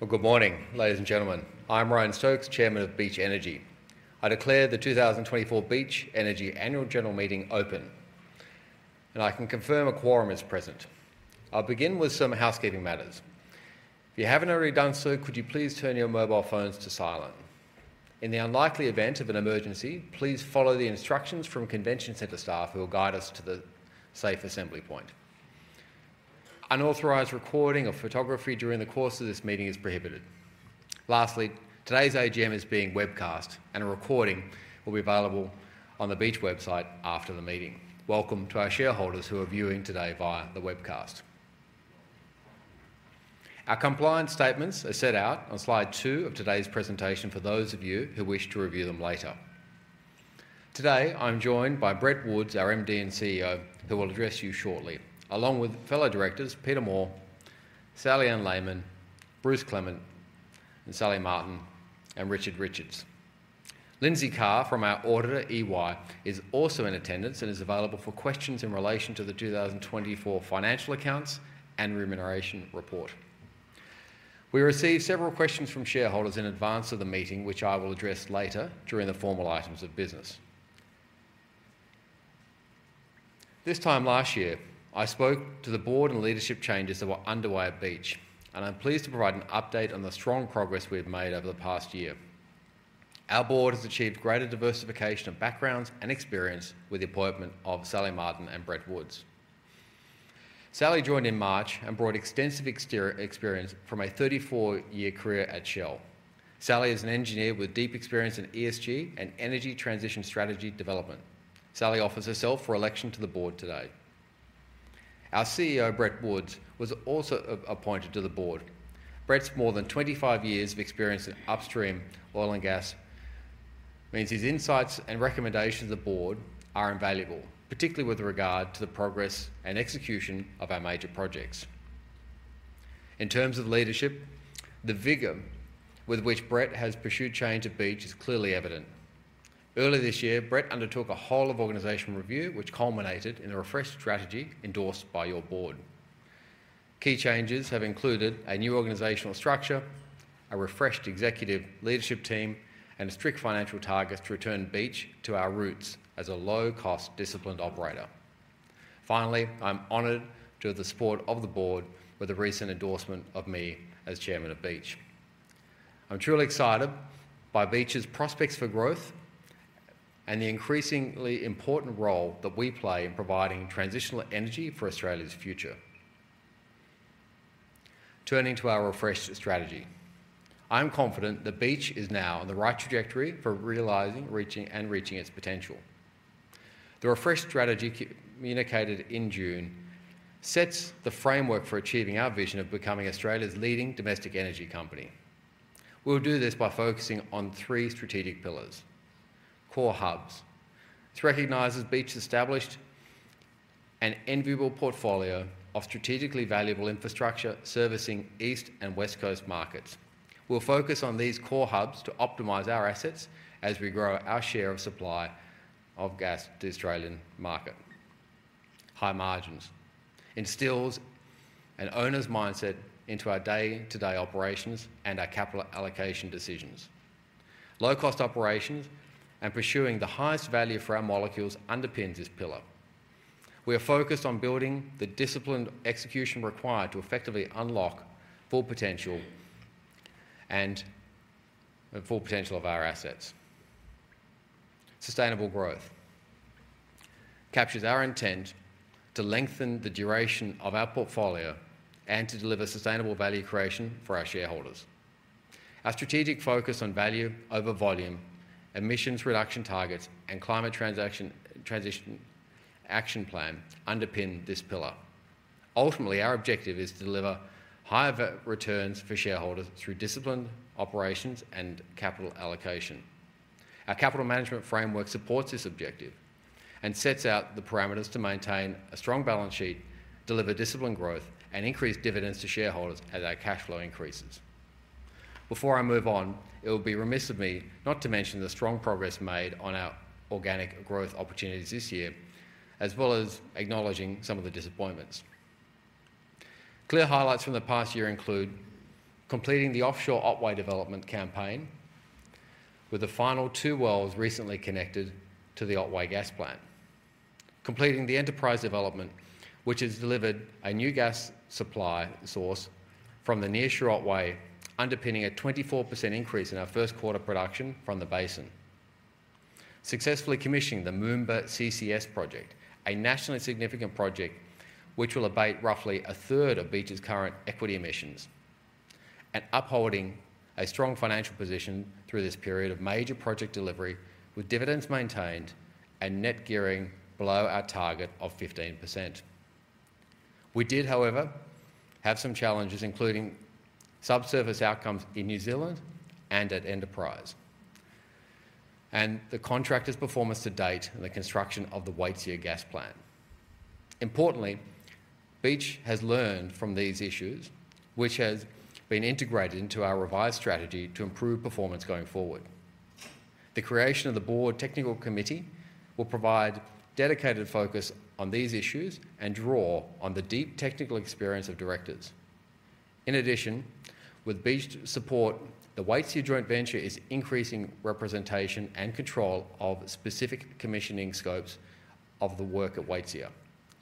Good morning, ladies and gentlemen. I'm Ryan Stokes, Chairman of Beach Energy. I declare the 2024 Beach Energy Annual General Meeting open, and I can confirm a quorum is present. I'll begin with some housekeeping matters. If you haven't already done so, could you please turn your mobile phones to silent? In the unlikely event of an emergency, please follow the instructions from Convention Centre staff who will guide us to the safe assembly point. Unauthorized recording of photography during the course of this meeting is prohibited. Lastly, today's AGM is being webcast, and a recording will be available on the Beach website after the meeting. Welcome to our shareholders who are viewing today via the webcast. Our compliance statements are set out on slide two of today's presentation for those of you who wish to review them later. Today, I'm joined by Brett Woods, our MD and CEO, who will address you shortly, along with fellow directors Peter Moore, Sally-Anne Layman, Bruce Clement, Sally Martin, and Richard Richards. Lindsay Carr from our auditor, EY, is also in attendance and is available for questions in relation to the 2024 financial accounts and remuneration report. We received several questions from shareholders in advance of the meeting, which I will address later during the formal items of business. This time last year, I spoke to the board and leadership changes that were underway at Beach, and I'm pleased to provide an update on the strong progress we have made over the past year. Our board has achieved greater diversification of backgrounds and experience with the appointment of Sally Martin and Brett Woods. Sally joined in March and brought extensive experience from a 34-year career at Shell. Sally is an engineer with deep experience in ESG and energy transition strategy development. Sally offers herself for election to the board today. Our CEO, Brett Woods, was also appointed to the board. Brett's more than 25 years of experience in upstream oil and gas means his insights and recommendations to the board are invaluable, particularly with regard to the progress and execution of our major projects. In terms of leadership, the vigor with which Brett has pursued change at Beach is clearly evident. Earlier this year, Brett undertook a whole-of-organization review, which culminated in a refreshed strategy endorsed by your board. Key changes have included a new organizational structure, a refreshed executive leadership team, and a strict financial target to return Beach to our roots as a low-cost, disciplined operator. Finally, I'm honored to have the support of the board with a recent endorsement of me as Chairman of Beach. I'm truly excited by Beach's prospects for growth and the increasingly important role that we play in providing transitional energy for Australia's future. Turning to our refreshed strategy, I'm confident that Beach is now on the right trajectory for realizing, reaching, and realizing its potential. The refreshed strategy communicated in June sets the framework for achieving our vision of becoming Australia's leading domestic energy company. We'll do this by focusing on three strategic pillars: core hubs. It recognizes Beach's established and enviable portfolio of strategically valuable infrastructure servicing east and west coast markets. We'll focus on these core hubs to optimize our assets as we grow our share of supply of gas to the Australian market. High margins instill an owner's mindset into our day-to-day operations and our capital allocation decisions. Low-cost operations and pursuing the highest value for our molecules underpin this pillar. We are focused on building the disciplined execution required to effectively unlock full potential of our assets. Sustainable growth captures our intent to lengthen the duration of our portfolio and to deliver sustainable value creation for our shareholders. Our strategic focus on value over volume, emissions reduction targets, and Climate Transition Action Plan underpin this pillar. Ultimately, our objective is to deliver higher returns for shareholders through disciplined operations and capital allocation. Our capital management framework supports this objective and sets out the parameters to maintain a strong balance sheet, deliver disciplined growth, and increase dividends to shareholders as our cash flow increases. Before I move on, it will be remiss of me not to mention the strong progress made on our organic growth opportunities this year, as well as acknowledging some of the disappointments. Clear highlights from the past year include completing the offshore Otway development campaign, with the final two wells recently connected to the Otway Gas Plant. Completing the Enterprise development, which has delivered a new gas supply source from the nearshore Otway, underpinning a 24% increase in our first quarter production from the basin. Successfully commissioning the Moomba CCS project, a nationally significant project which will abate roughly a third of Beach's current equity emissions, and upholding a strong financial position through this period of major project delivery, with dividends maintained and net gearing below our target of 15%. We did, however, have some challenges, including subsurface outcomes in New Zealand and at Enterprise, and the contractor's performance to date in the construction of the Waitsia Gas Plant. Importantly, Beach has learned from these issues, which has been integrated into our revised strategy to improve performance going forward. The creation of the Board Technical Committee will provide dedicated focus on these issues and draw on the deep technical experience of directors. In addition, with Beach's support, the Waitsia joint venture is increasing representation and control of specific commissioning scopes of the work at Waitsia.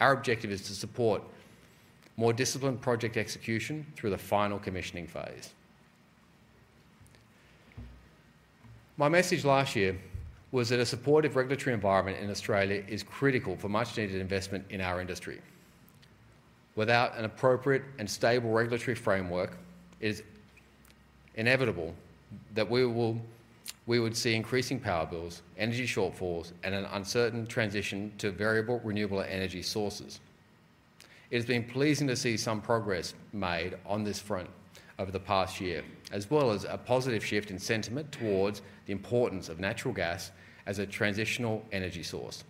Our objective is to support more disciplined project execution through the final commissioning phase. My message last year was that a supportive regulatory environment in Australia is critical for much-needed investment in our industry. Without an appropriate and stable regulatory framework, it is inevitable that we would see increasing power bills, energy shortfalls, and an uncertain transition to variable renewable energy sources. It has been pleasing to see some progress made on this front over the past year, as well as a positive shift in sentiment towards the importance of natural gas as a transitional energy source.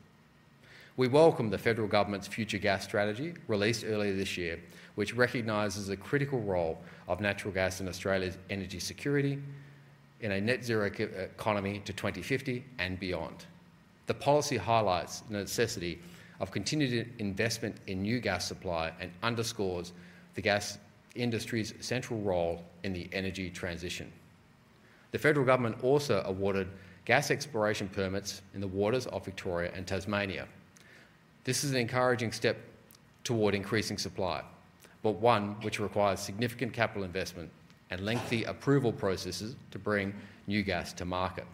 We welcome the federal government's Future Gas Strategy, released earlier this year, which recognizes the critical role of natural gas in Australia's energy security in a net-zero economy to 2050 and beyond. The policy highlights the necessity of continued investment in new gas supply and underscores the gas industry's central role in the energy transition. The federal government also awarded gas exploration permits in the waters of Victoria and Tasmania. This is an encouraging step toward increasing supply, but one which requires significant capital investment and lengthy approval processes to bring new gas to market.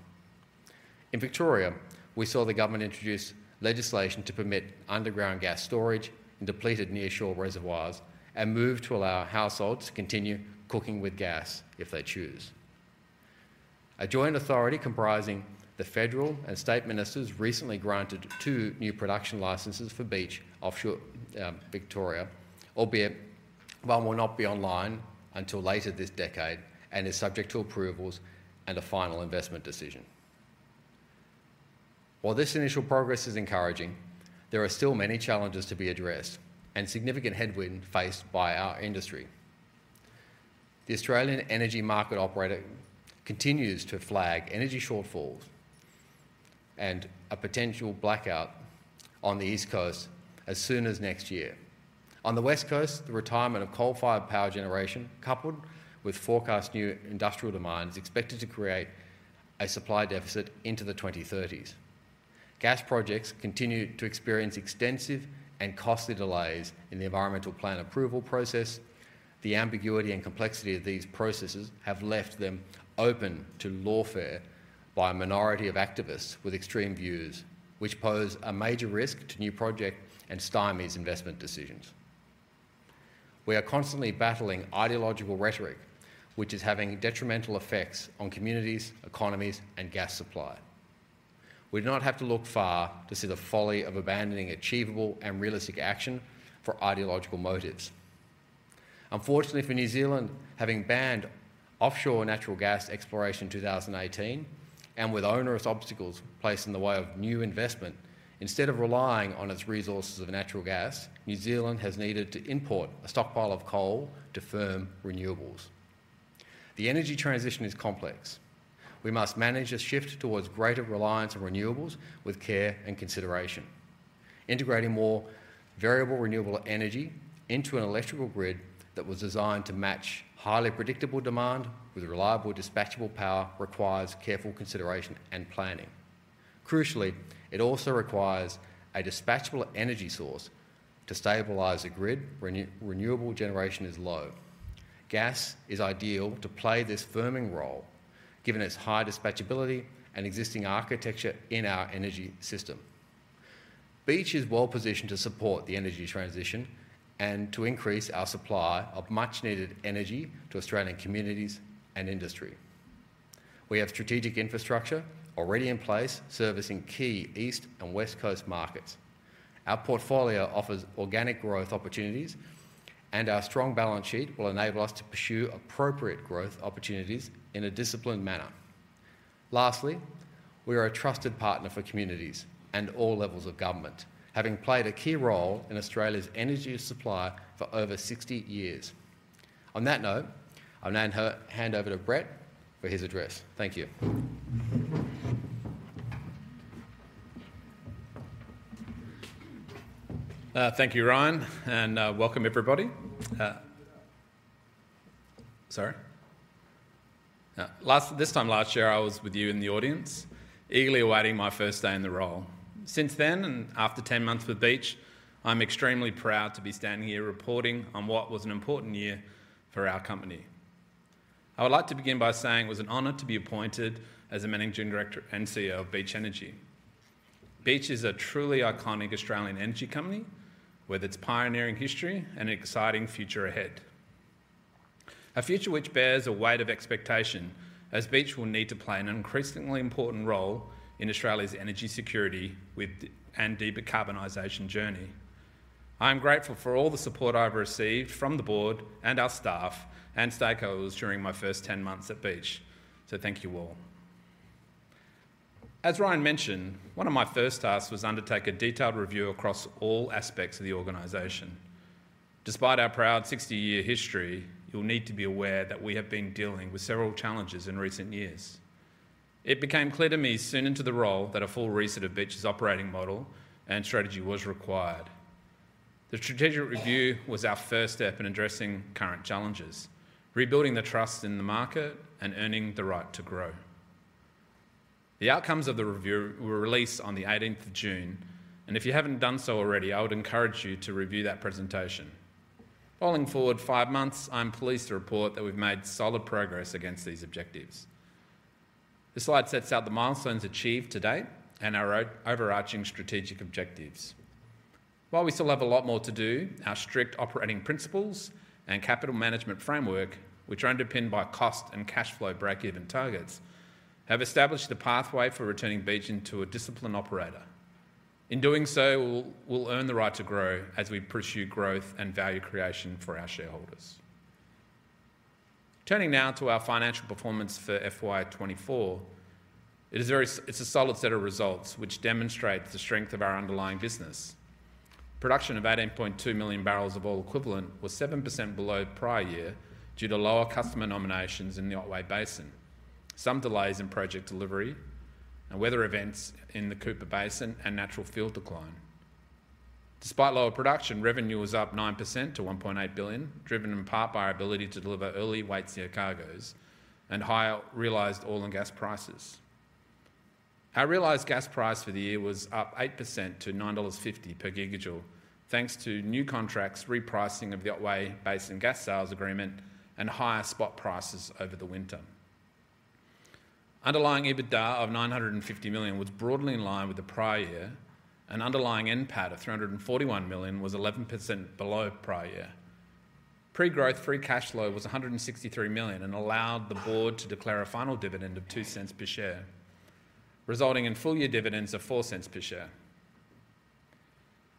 In Victoria, we saw the government introduce legislation to permit underground gas storage in depleted nearshore reservoirs and move to allow households to continue cooking with gas if they choose. A joint authority comprising the federal and state ministers recently granted two new production licenses for Beach Offshore Victoria, albeit one will not be online until later this decade and is subject to approvals and a final investment decision. While this initial progress is encouraging, there are still many challenges to be addressed and significant headwinds faced by our industry. The Australian Energy Market Operator continues to flag energy shortfalls and a potential blackout on the East Coast as soon as next year. On the West Coast, the retirement of coal-fired power generation, coupled with forecast new industrial demand, is expected to create a supply deficit into the 2030s. Gas projects continue to experience extensive and costly delays in the environmental plan approval process. The ambiguity and complexity of these processes have left them open to lawfare by a minority of activists with extreme views, which pose a major risk to new project and stymie investment decisions. We are constantly battling ideological rhetoric, which is having detrimental effects on communities, economies, and gas supply. We do not have to look far to see the folly of abandoning achievable and realistic action for ideological motives. Unfortunately for New Zealand, having banned offshore natural gas exploration in 2018 and with onerous obstacles placed in the way of new investment, instead of relying on its resources of natural gas, New Zealand has needed to import a stockpile of coal to firm renewables. The energy transition is complex. We must manage a shift towards greater reliance on renewables with care and consideration. Integrating more variable renewable energy into an electrical grid that was designed to match highly predictable demand with reliable dispatchable power requires careful consideration and planning. Crucially, it also requires a dispatchable energy source to stabilize the grid when renewable generation is low. Gas is ideal to play this firming role, given its high dispatchability and existing architecture in our energy system. Beach is well positioned to support the energy transition and to increase our supply of much-needed energy to Australian communities and industry. We have strategic infrastructure already in place, servicing key East and West Coast markets. Our portfolio offers organic growth opportunities, and our strong balance sheet will enable us to pursue appropriate growth opportunities in a disciplined manner. Lastly, we are a trusted partner for communities and all levels of government, having played a key role in Australia's energy supply for over 60 years. On that note, I'll now hand over to Brett for his address. Thank you. Thank you, Ryan, and welcome everybody. Sorry. This time last year, I was with you in the audience, eagerly awaiting my first day in the role. Since then, and after 10 months with Beach, I'm extremely proud to be standing here reporting on what was an important year for our company. I would like to begin by saying it was an honor to be appointed as the Managing Director and CEO of Beach Energy. Beach is a truly iconic Australian energy company with its pioneering history and exciting future ahead. A future which bears a weight of expectation, as Beach will need to play an increasingly important role in Australia's energy security and decarbonization journey. I am grateful for all the support I've received from the board and our staff and stakeholders during my first 10 months at Beach. So thank you all. As Ryan mentioned, one of my first tasks was to undertake a detailed review across all aspects of the organization. Despite our proud 60-year history, you'll need to be aware that we have been dealing with several challenges in recent years. It became clear to me soon into the role that a full reset of Beach's operating model and strategy was required. The strategic review was our first step in addressing current challenges, rebuilding the trust in the market and earning the right to grow. The outcomes of the review were released on the 18th of June, and if you haven't done so already, I would encourage you to review that presentation. Rolling forward five months, I'm pleased to report that we've made solid progress against these objectives. This slide sets out the milestones achieved to date and our overarching strategic objectives. While we still have a lot more to do, our strict operating principles and capital management framework, which are underpinned by cost and cash flow break-even targets, have established the pathway for returning Beach into a disciplined operator. In doing so, we'll earn the right to grow as we pursue growth and value creation for our shareholders. Turning now to our financial performance for FY24, it's a solid set of results which demonstrates the strength of our underlying business. Production of 18.2 million barrels of oil equivalent was 7% below prior year due to lower customer nominations in the Otway Basin, some delays in project delivery, and weather events in the Cooper Basin and natural field decline. Despite lower production, revenue was up 9% to $1.8 billion, driven in part by our ability to deliver early Waitsia cargos and higher realized oil and gas prices. Our realized gas price for the year was up 8% to $9.50 per gigajoule, thanks to new contracts, repricing of the Otway Basin gas sales agreement, and higher spot prices over the winter. Underlying EBITDA of 950 million was broadly in line with the prior year, and underlying NPAT of 341 million was 11% below prior year. Pre-growth free cash flow was 163 million and allowed the board to declare a final dividend of 0.02 per share, resulting in full-year dividends of 0.04 per share.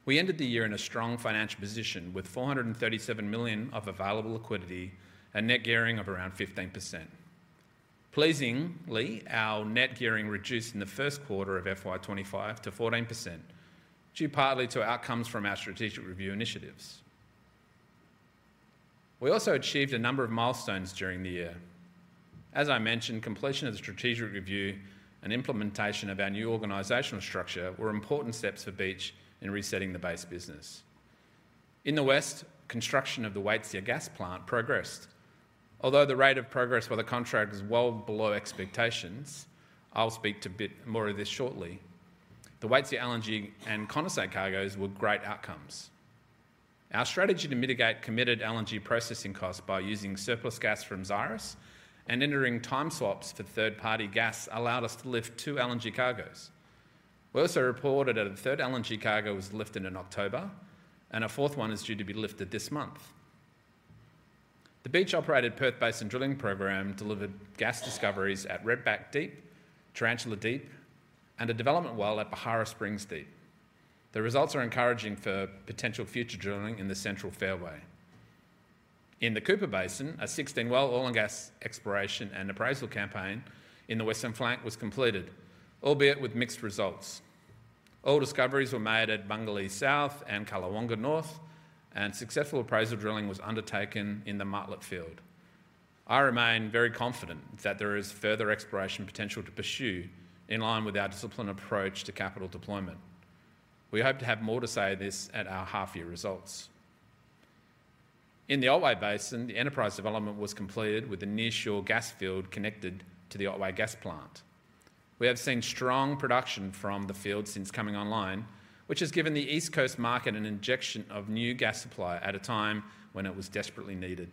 We ended the year in a strong financial position with 437 million of available liquidity and net gearing of around 15%. Pleasingly, our net gearing reduced in the first quarter of FY25 to 14%, due partly to outcomes from our strategic review initiatives. We also achieved a number of milestones during the year. As I mentioned, completion of the strategic review and implementation of our new organizational structure were important steps for Beach in resetting the base business. In the West, construction of the Waitsia Gas Plant progressed. Although the rate of progress for the contract was well below expectations, I'll speak to a bit more of this shortly. The Waitsia LNG and condensate cargos were great outcomes. Our strategy to mitigate committed LNG processing costs by using surplus gas from Xyris and entering time swaps for third-party gas allowed us to lift two LNG cargos. We also reported that a third LNG cargo was lifted in October, and a fourth one is due to be lifted this month. The Beach-operated Perth Basin drilling program delivered gas discoveries at Redback Deep, Tarantula Deep, and a development well at Beharra Springs Deep. The results are encouraging for potential future drilling in the central fairway. In the Cooper Basin, a 16-well oil and gas exploration and appraisal campaign in the Western Flank was completed, albeit with mixed results. Oil discoveries were made at Bangalee South and Kalladeina North, and successful appraisal drilling was undertaken in the Martlet Field. I remain very confident that there is further exploration potential to pursue in line with our disciplined approach to capital deployment. We hope to have more to say this at our half-year results. In the Otway Basin, the Enterprise development was completed with the nearshore gas field connected to the Otway Gas Plant. We have seen strong production from the field since coming online, which has given the East Coast market an injection of new gas supply at a time when it was desperately needed.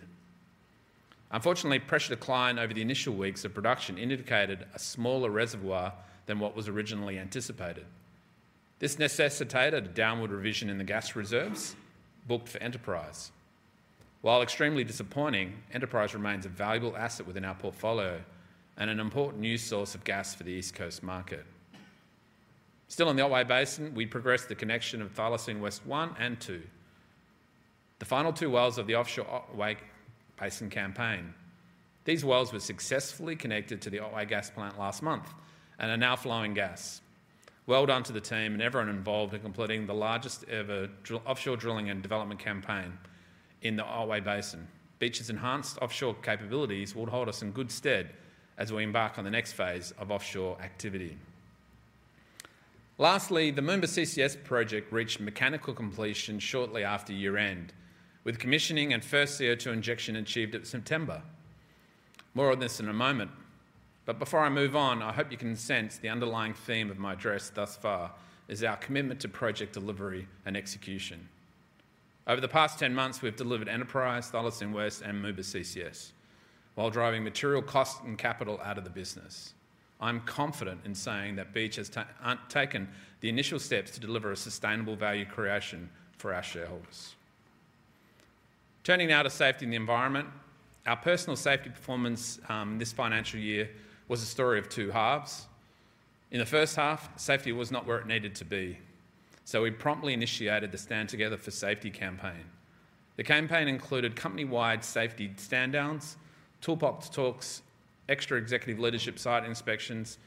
Unfortunately, pressure decline over the initial weeks of production indicated a smaller reservoir than what was originally anticipated. This necessitated a downward revision in the gas reserves booked for Enterprise. While extremely disappointing, Enterprise remains a valuable asset within our portfolio and an important new source of gas for the East Coast market. Still in the Otway Basin, we progressed the connection of Thylacine West 1 and 2, the final two wells of the offshore Otway Basin campaign. These wells were successfully connected to the Otway Gas Plant last month and are now flowing gas. Well done to the team and everyone involved in completing the largest ever offshore drilling and development campaign in the Otway Basin. Beach's enhanced offshore capabilities will hold us in good stead as we embark on the next phase of offshore activity. Lastly, the Moomba CCS project reached mechanical completion shortly after year-end, with commissioning and first CO2 injection achieved in September. More on this in a moment. But before I move on, I hope you can sense the underlying theme of my address thus far is our commitment to project delivery and execution. Over the past 10 months, we've delivered Enterprise, Thylacine West, and Moomba CCS while driving material costs and capital out of the business. I'm confident in saying that Beach has taken the initial steps to deliver a sustainable value creation for our shareholders. Turning now to safety and the environment, our personal safety performance this financial year was a story of two halves. In the first half, safety was not where it needed to be, so we promptly initiated the Stand Together for Safety campaign. The campaign included company-wide safety stand-downs, toolbox talks, extra executive leadership site inspections,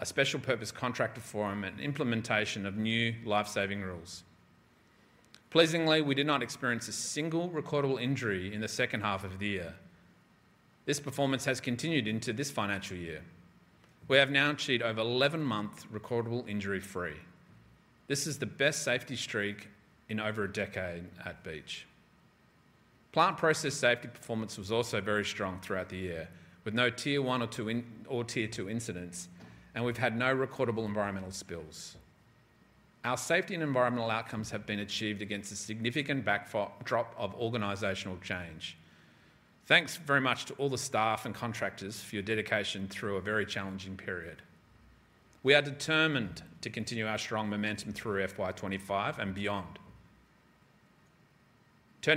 a special purpose contractor forum, and implementation of new Life Saving Rules. Pleasingly, we did not experience a single recordable injury in the second half of the year. This performance has continued into this financial year. We have now achieved over 11 months recordable injury-free. This is the best safety streak in over a decade at Beach. Plant process safety performance was also very strong throughout the year, with no Tier 1 or Tier 2Turning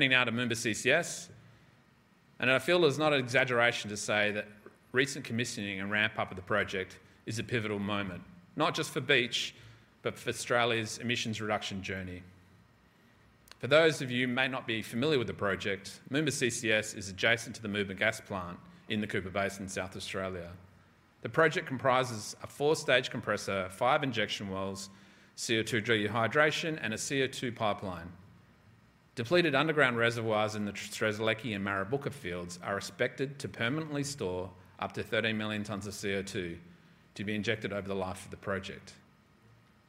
now to Moomba CCS, and I feel it's not an exaggeration to say that recent commissioning and ramp-up of the project is a pivotal moment, not just for Beach, but for Australia's emissions reduction journey. For those of you who may not be familiar with the project, Moomba CCS is adjacent to the Moomba Gas Plant in the Cooper Basin in South Australia. The project comprises a four-stage compressor, five injection wells, CO2 dehydration, and a CO2 pipeline. Depleted underground reservoirs in the Strzelecki and Marabooka fields are expected to permanently store up to 13 million tonnes of CO2 to be injected over the life of the project.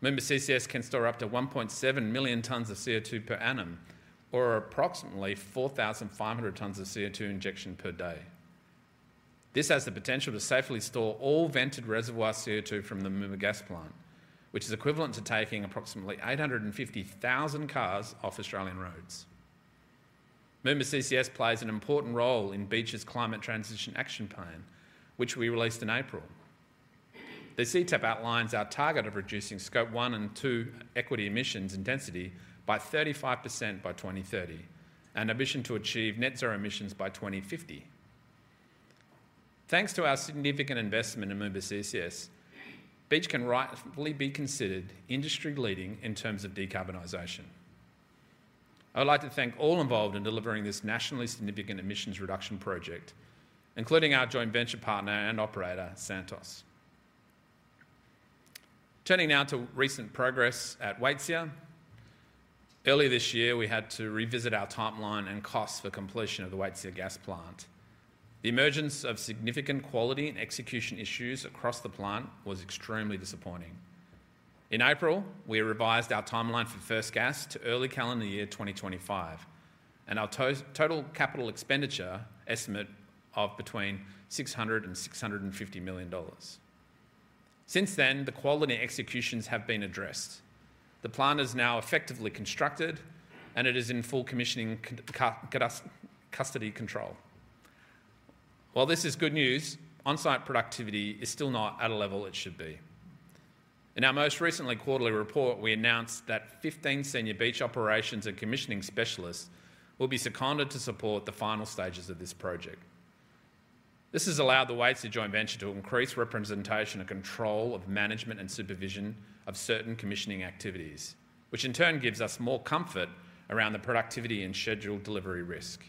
Moomba CCS can store up to 1.7 million tonnes of CO2 per annum or approximately 4,500 tonnes of CO2 injection per day. This has the potential to safely store all vented reservoir CO2 from the Moomba Gas Plant, which is equivalent to taking approximately 850,000 cars off Australian roads. Moomba CCS plays an important role in Beach's Climate Transition Action Plan, which we released in April. The CTAP outlines our target of reducing Scope 1 and 2 equity emissions intensity by 35% by 2030 and our vision to achieve Net Zero emissions by 2050. Thanks to our significant investment in Moomba CCS, Beach can rightfully be considered industry-leading in terms of decarbonization. I would like to thank all involved in delivering this nationally significant emissions reduction project, including our joint venture partner and operator, Santos. Turning now to recent progress at Waitsia. Earlier this year, we had to revisit our timeline and costs for completion of the Waitsia Gas Plant. The emergence of significant quality and execution issues across the plant was extremely disappointing. In April, we revised our timeline for first gas to early calendar year 2025, and our total capital expenditure estimate of between 600-650 million dollars. Since then, the quality and executions have been addressed. The plant is now effectively constructed, and it is in full commissioning custody control. While this is good news, on-site productivity is still not at a level it should be. In our most recently quarterly report, we announced that 15 senior Beach operations and commissioning specialists will be seconded to support the final stages of this project. This has allowed the Waitsia joint venture to increase representation and control of management and supervision of certain commissioning activities, which in turn gives us more comfort around the productivity and schedule delivery risk.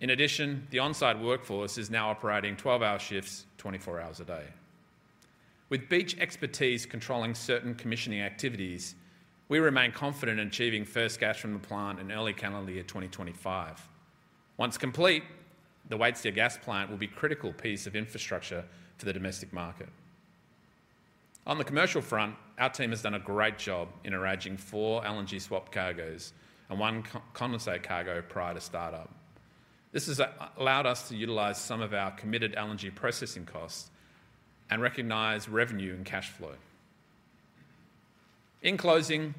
In addition, the on-site workforce is now operating 12-hour shifts, 24 hours a day. With Beach expertise controlling certain commissioning activities, we remain confident in achieving first gas from the plant in early calendar year 2025. Once complete, the Waitsia Gas Plant will be a critical piece of infrastructure to the domestic market. On the commercial front, our team has done a great job in arranging four LNG swap cargos and one condensate cargo prior to start-up. This has allowed us to utilize some of our committed LNG processing costs and recognize revenue and cash flow. In closing,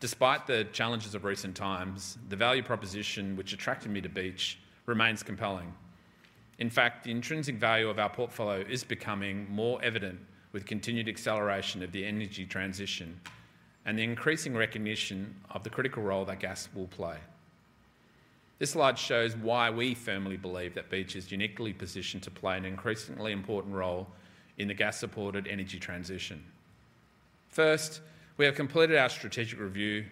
despite the challenges of recent times, the value proposition which attracted me to Beach remains compelling. In fact, the intrinsic value of our portfolio is becoming more evident with continued acceleration of the energy transition and the increasing recognition of the critical role that gas will play. This slide shows why we firmly believe that Beach is uniquely positioned to play an increasingly important role in the gas-supported energy transition. First, we have completed our strategic review,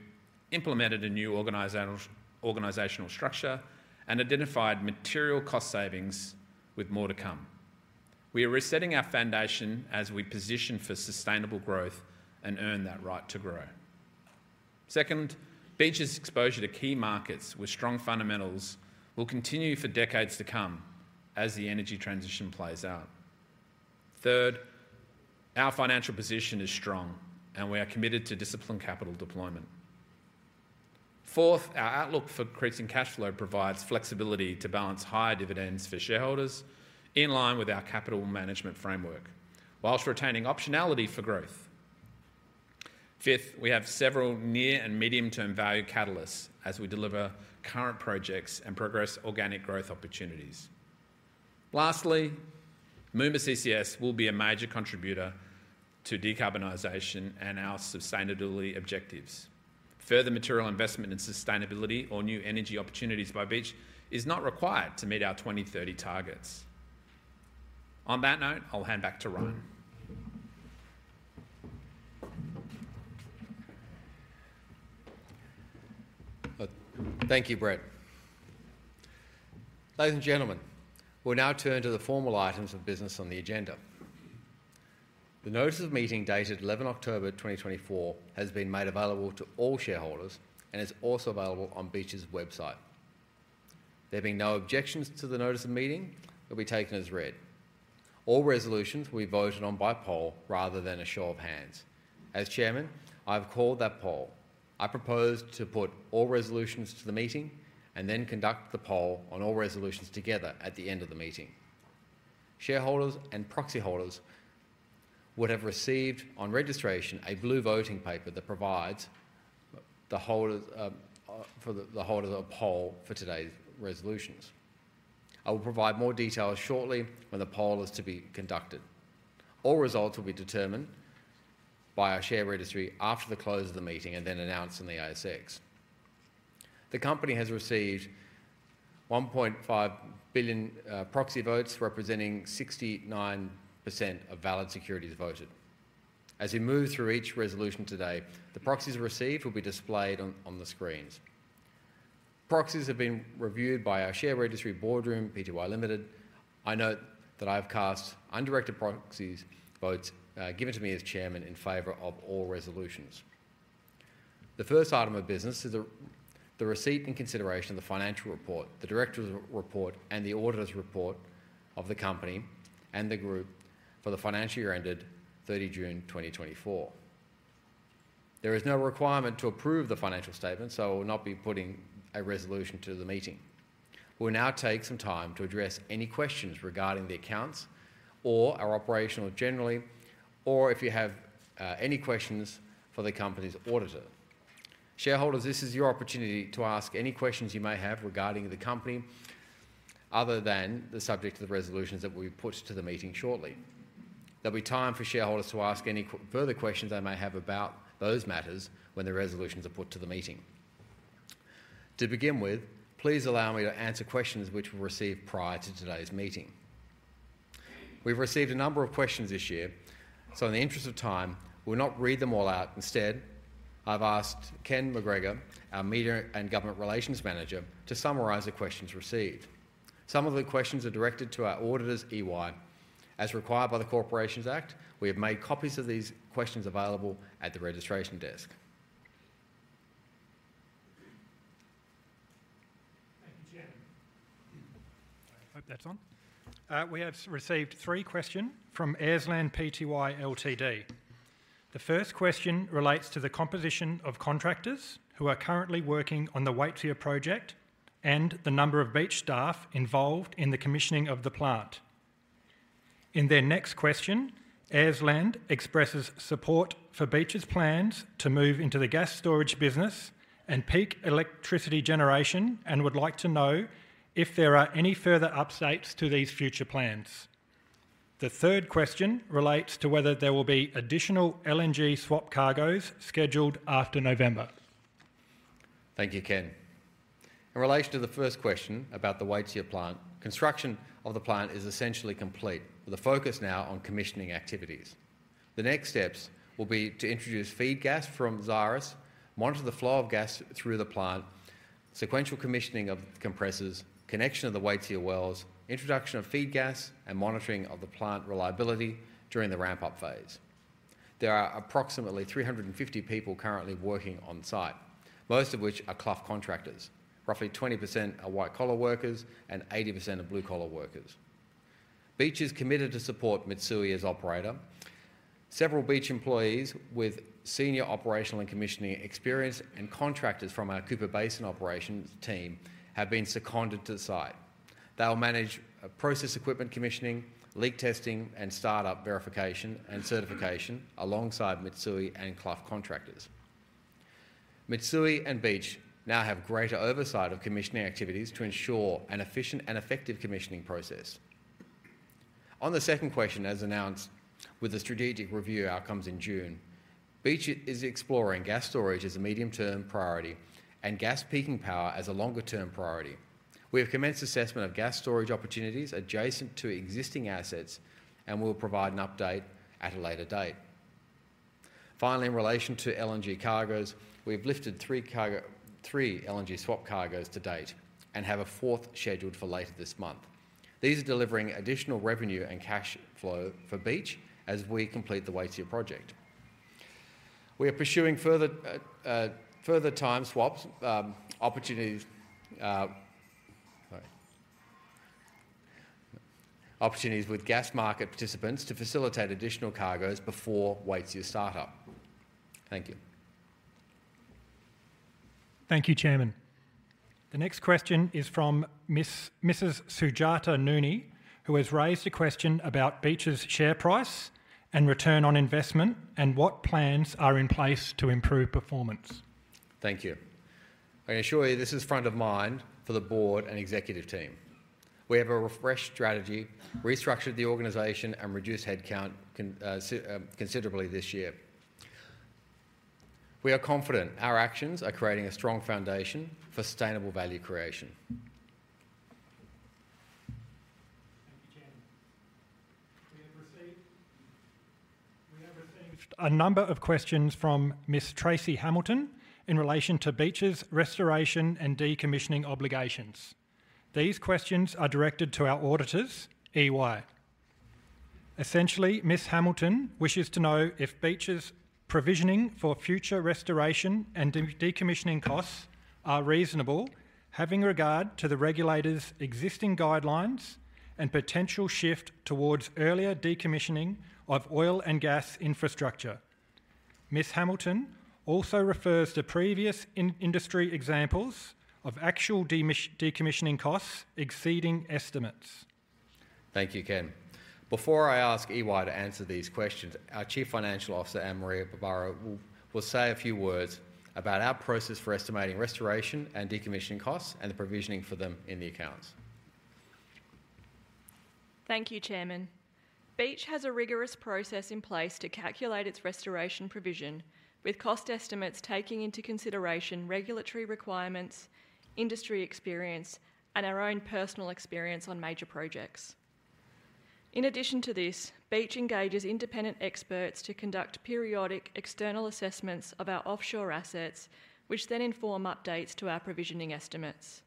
implemented a new organizational structure, and identified material cost savings with more to come. We are resetting our foundation as we position for sustainable growth and earn that right to grow. Second, Beach's exposure to key markets with strong fundamentals will continue for decades to come as the energy transition plays out. Third, our financial position is strong, and we are committed to disciplined capital deployment. Fourth, our outlook for increasing cash flow provides flexibility to balance higher dividends for shareholders in line with our capital management framework, while retaining optionality for growth. Fifth, we have several near and medium-term value catalysts as we deliver current projects and progress organic growth opportunities. Lastly, Moomba CCS will be a major contributor to decarbonization and our sustainability objectives. Further material investment in sustainability or new energy opportunities by Beach is not required to meet our 2030 targets. On that note, I'll hand back to Ryan. Thank you, Brett. Ladies and gentlemen, we'll now turn to the formal items of business on the agenda. The notice of meeting dated 11 October 2024 has been made available to all shareholders and is also available on Beach's website. There being no objections to the notice of meeting, it will be taken as read. All resolutions will be voted on by poll rather than a show of hands. As Chairman, I have called that poll. I propose to put all resolutions to the meeting and then conduct the poll on all resolutions together at the end of the meeting. Shareholders and proxy holders would have received on registration a blue voting paper that provides the holders of poll for today's resolutions. I will provide more details shortly when the poll is to be conducted. All results will be determined by our share registry after the close of the meeting and then announced in the ASX. The company has received 1.5 billion proxy votes representing 69% of valid securities voted. As we move through each resolution today, the proxies received will be displayed on the screens. Proxies have been reviewed by our share registry Boardroom Pty Limited. I note that I have cast undirected proxy votes given to me as Chairman in favor of all resolutions. The first item of business is the receipt and consideration of the financial report, the director's report, and the auditor's report of the company and the group for the financial year ended 30 June 2024. There is no requirement to approve the financial statement, so I will not be putting a resolution to the meeting. We'll now take some time to address any questions regarding the accounts or our operation generally, or if you have any questions for the company's auditor. Shareholders, this is your opportunity to ask any questions you may have regarding the company other than the subject of the resolutions that will be put to the meeting shortly. There'll be time for shareholders to ask any further questions they may have about those matters when the resolutions are put to the meeting. To begin with, please allow me to answer questions which were received prior to today's meeting. We've received a number of questions this year, so in the interest of time, we'll not read them all out. Instead, I've asked Ken McGregor, our media and government relations manager, to summarise the questions received. Some of the questions are directed to our auditors, EY. As required by the Corporations Act, we have made copies of these questions available at the registration desk. Thank you, Chairman. Hope that's on. We have received three questions from Ausland Pty Ltd. The first question relates to the composition of contractors who are currently working on the Waitsia project and the number of Beach staff involved in the commissioning of the plant. In their next question, Ausland expresses support for Beach's plans to move into the gas storage business and peak electricity generation and would like to know if there are any further updates to these future plans. The third question relates to whether there will be additional LNG swap cargos scheduled after November. Thank you, Ken. In relation to the first question about the Waitsia plant, construction of the plant is essentially complete, with a focus now on commissioning activities. The next steps will be to introduce feed gas from Xyris, monitor the flow of gas through the plant, sequential commissioning of compressors, connection of the Waitsia wells, introduction of feed gas, and monitoring of the plant reliability during the ramp-up phase. There are approximately 350 people currently working on site, most of which are Clough contractors. Roughly 20% are white-collar workers and 80% are blue-collar workers. Beach is committed to support Mitsui as operator. Several Beach employees with senior operational and commissioning experience and contractors from our Cooper Basin operations team have been seconded to the site. They'll manage process equipment commissioning, leak testing, and start-up verification and certification alongside Mitsui and Clough contractors. Mitsui and Beach now have greater oversight of commissioning activities to ensure an efficient and effective commissioning process. On the second question, as announced with the strategic review outcomes in June, Beach is exploring gas storage as a medium-term priority and gas peaking power as a longer-term priority. We have commenced assessment of gas storage opportunities adjacent to existing assets and will provide an update at a later date. Finally, in relation to LNG cargoes, we have lifted three LNG swap cargoes to date and have a fourth scheduled for later this month. These are delivering additional revenue and cash flow for Beach as we complete the Waitsia project. We are pursuing further time swap opportunities with gas market participants to facilitate additional cargoes before Waitsia start-up. Thank you. Thank you, Chairman. The next question is from Sujata Nooni, who has raised a question about Beach's share price and return on investment and what plans are in place to improve performance. Thank you. I assure you this is front of mind for the board and executive team. We have a refreshed strategy, restructured the organization, and reduced headcount considerably this year. We are confident our actions are creating a strong foundation for sustainable value creation. Thank you, Chairman. We have received a number of questions from Ms. Tracy Hamilton in relation to Beach's restoration and decommissioning obligations. These questions are directed to our auditors, EY. Essentially, Ms. Hamilton wishes to know if Beach's provisioning for future restoration and decommissioning costs are reasonable, having regard to the regulator's existing guidelines and potential shift towards earlier decommissioning of oil and gas infrastructure. Ms. Hamilton also refers to previous industry examples of actual decommissioning costs exceeding estimates. Thank you, Ken. Before I ask EY to answer these questions, our Chief Financial Officer, Anne-Marie Barbaro, will say a few words about our process for estimating restoration and decommissioning costs and the provisioning for them in the accounts. Thank you, Chairman. Beach has a rigorous process in place to calculate its restoration provision, with cost estimates taking into consideration regulatory requirements, industry experience, and our own personal experience on major projects. In addition to this, Beach engages independent experts to conduct periodic external assessments of our offshore assets, which then inform updates to our provisioning estimates.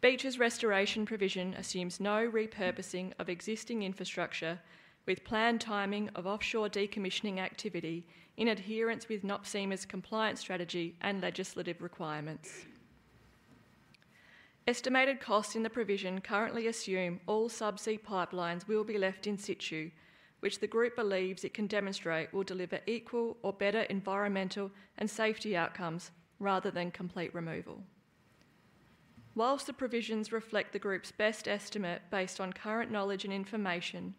Beach's restoration provision assumes no repurposing of existing infrastructure, with planned timing of offshore decommissioning activity in adherence with NOPSEMA's compliance strategy and legislative requirements. Estimated costs in the provision currently assume all subsea pipelines will be left in situ, which the group believes it can demonstrate will deliver equal or better environmental and safety outcomes rather than complete removal. While the provisions reflect the group's best estimate based on current knowledge and information,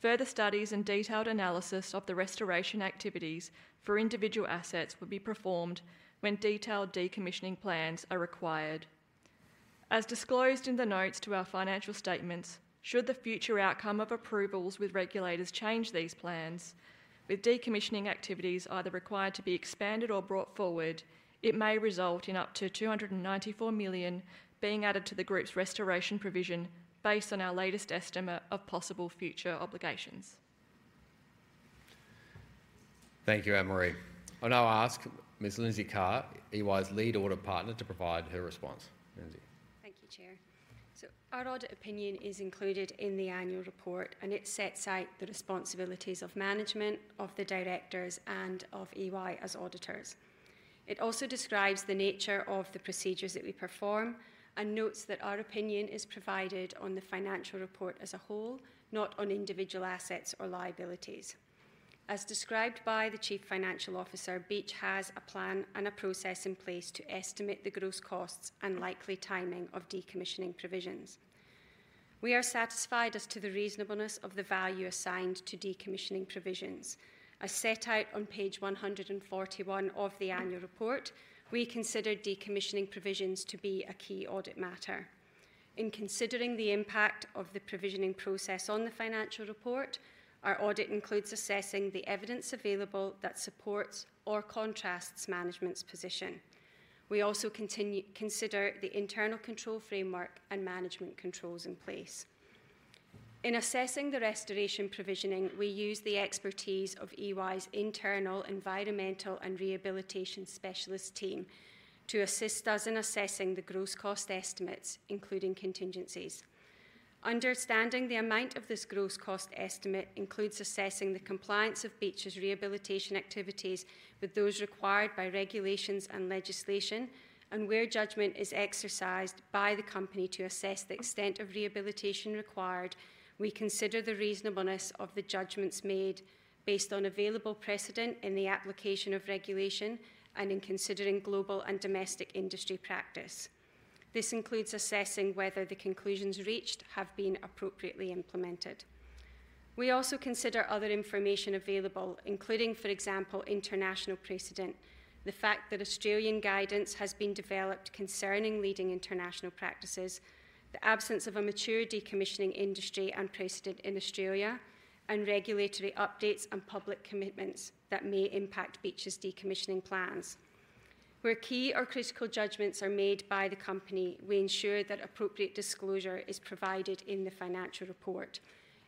further studies and detailed analysis of the restoration activities for individual assets will be performed when detailed decommissioning plans are required. As disclosed in the notes to our financial statements, should the future outcome of approvals with regulators change these plans, with decommissioning activities either required to be expanded or brought forward, it may result in up to 294 million being added to the group's restoration provision based on our latest estimate of possible future obligations. Thank you, Anne-Marie. I'll now ask Ms. Lindsay Carr, EY's lead audit partner, to provide her response. Lindsay. Thank you, Chair. Our audit opinion is included in the annual report, and it sets out the responsibilities of management, of the directors, and of EY as auditors. It also describes the nature of the procedures that we perform and notes that our opinion is provided on the financial report as a whole, not on individual assets or liabilities. As described by the Chief Financial Officer, Beach has a plan and a process in place to estimate the gross costs and likely timing of decommissioning provisions. We are satisfied as to the reasonableness of the value assigned to decommissioning provisions. As set out on page 141 of the annual report, we consider decommissioning provisions to be a key audit matter. In considering the impact of the provisioning process on the financial report, our audit includes assessing the evidence available that supports or contrasts management's position. We also consider the internal control framework and management controls in place. In assessing the restoration provisioning, we use the expertise of EY's internal environmental and rehabilitation specialist team to assist us in assessing the gross cost estimates, including contingencies. Understanding the amount of this gross cost estimate includes assessing the compliance of Beach's rehabilitation activities with those required by regulations and legislation, and where judgment is exercised by the company to assess the extent of rehabilitation required, we consider the reasonableness of the judgments made based on available precedent in the application of regulation and in considering global and domestic industry practice. This includes assessing whether the conclusions reached have been appropriately implemented. We also consider other information available, including, for example, international precedent, the fact that Australian guidance has been developed concerning leading international practices, the absence of a mature decommissioning industry and precedent in Australia, and regulatory updates and public commitments that may impact Beach's decommissioning plans. Where key or critical judgments are made by the company, we ensure that appropriate disclosure is provided in the financial report.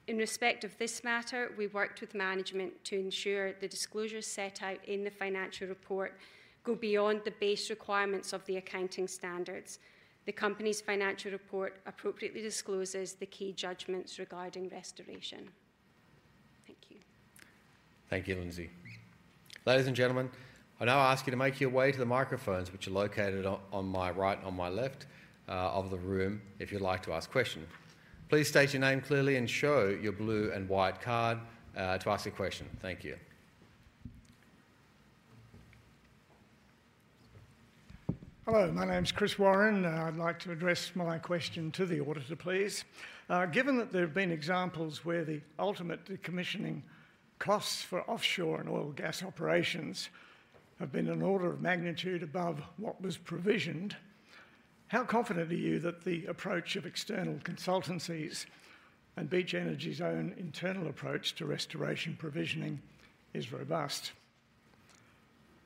In respect of this matter, we worked with management to ensure the disclosures set out in the financial report go beyond the base requirements of the accounting standards. The company's financial report appropriately discloses the key judgments regarding restoration. Thank you. Thank you, Lindsay. Ladies and gentlemen, I now ask you to make your way to the microphones, which are located on my right and on my left of the room if you'd like to ask questions. Please state your name clearly and show your blue and white card to ask a question. Thank you. Hello, my name's Chris Warren. I'd like to address my question to the auditor, please. Given that there have been examples where the ultimate decommissioning costs for offshore and oil and gas operations have been an order of magnitude above what was provisioned, how confident are you that the approach of external consultancies and Beach Energy's own internal approach to restoration provisioning is robust?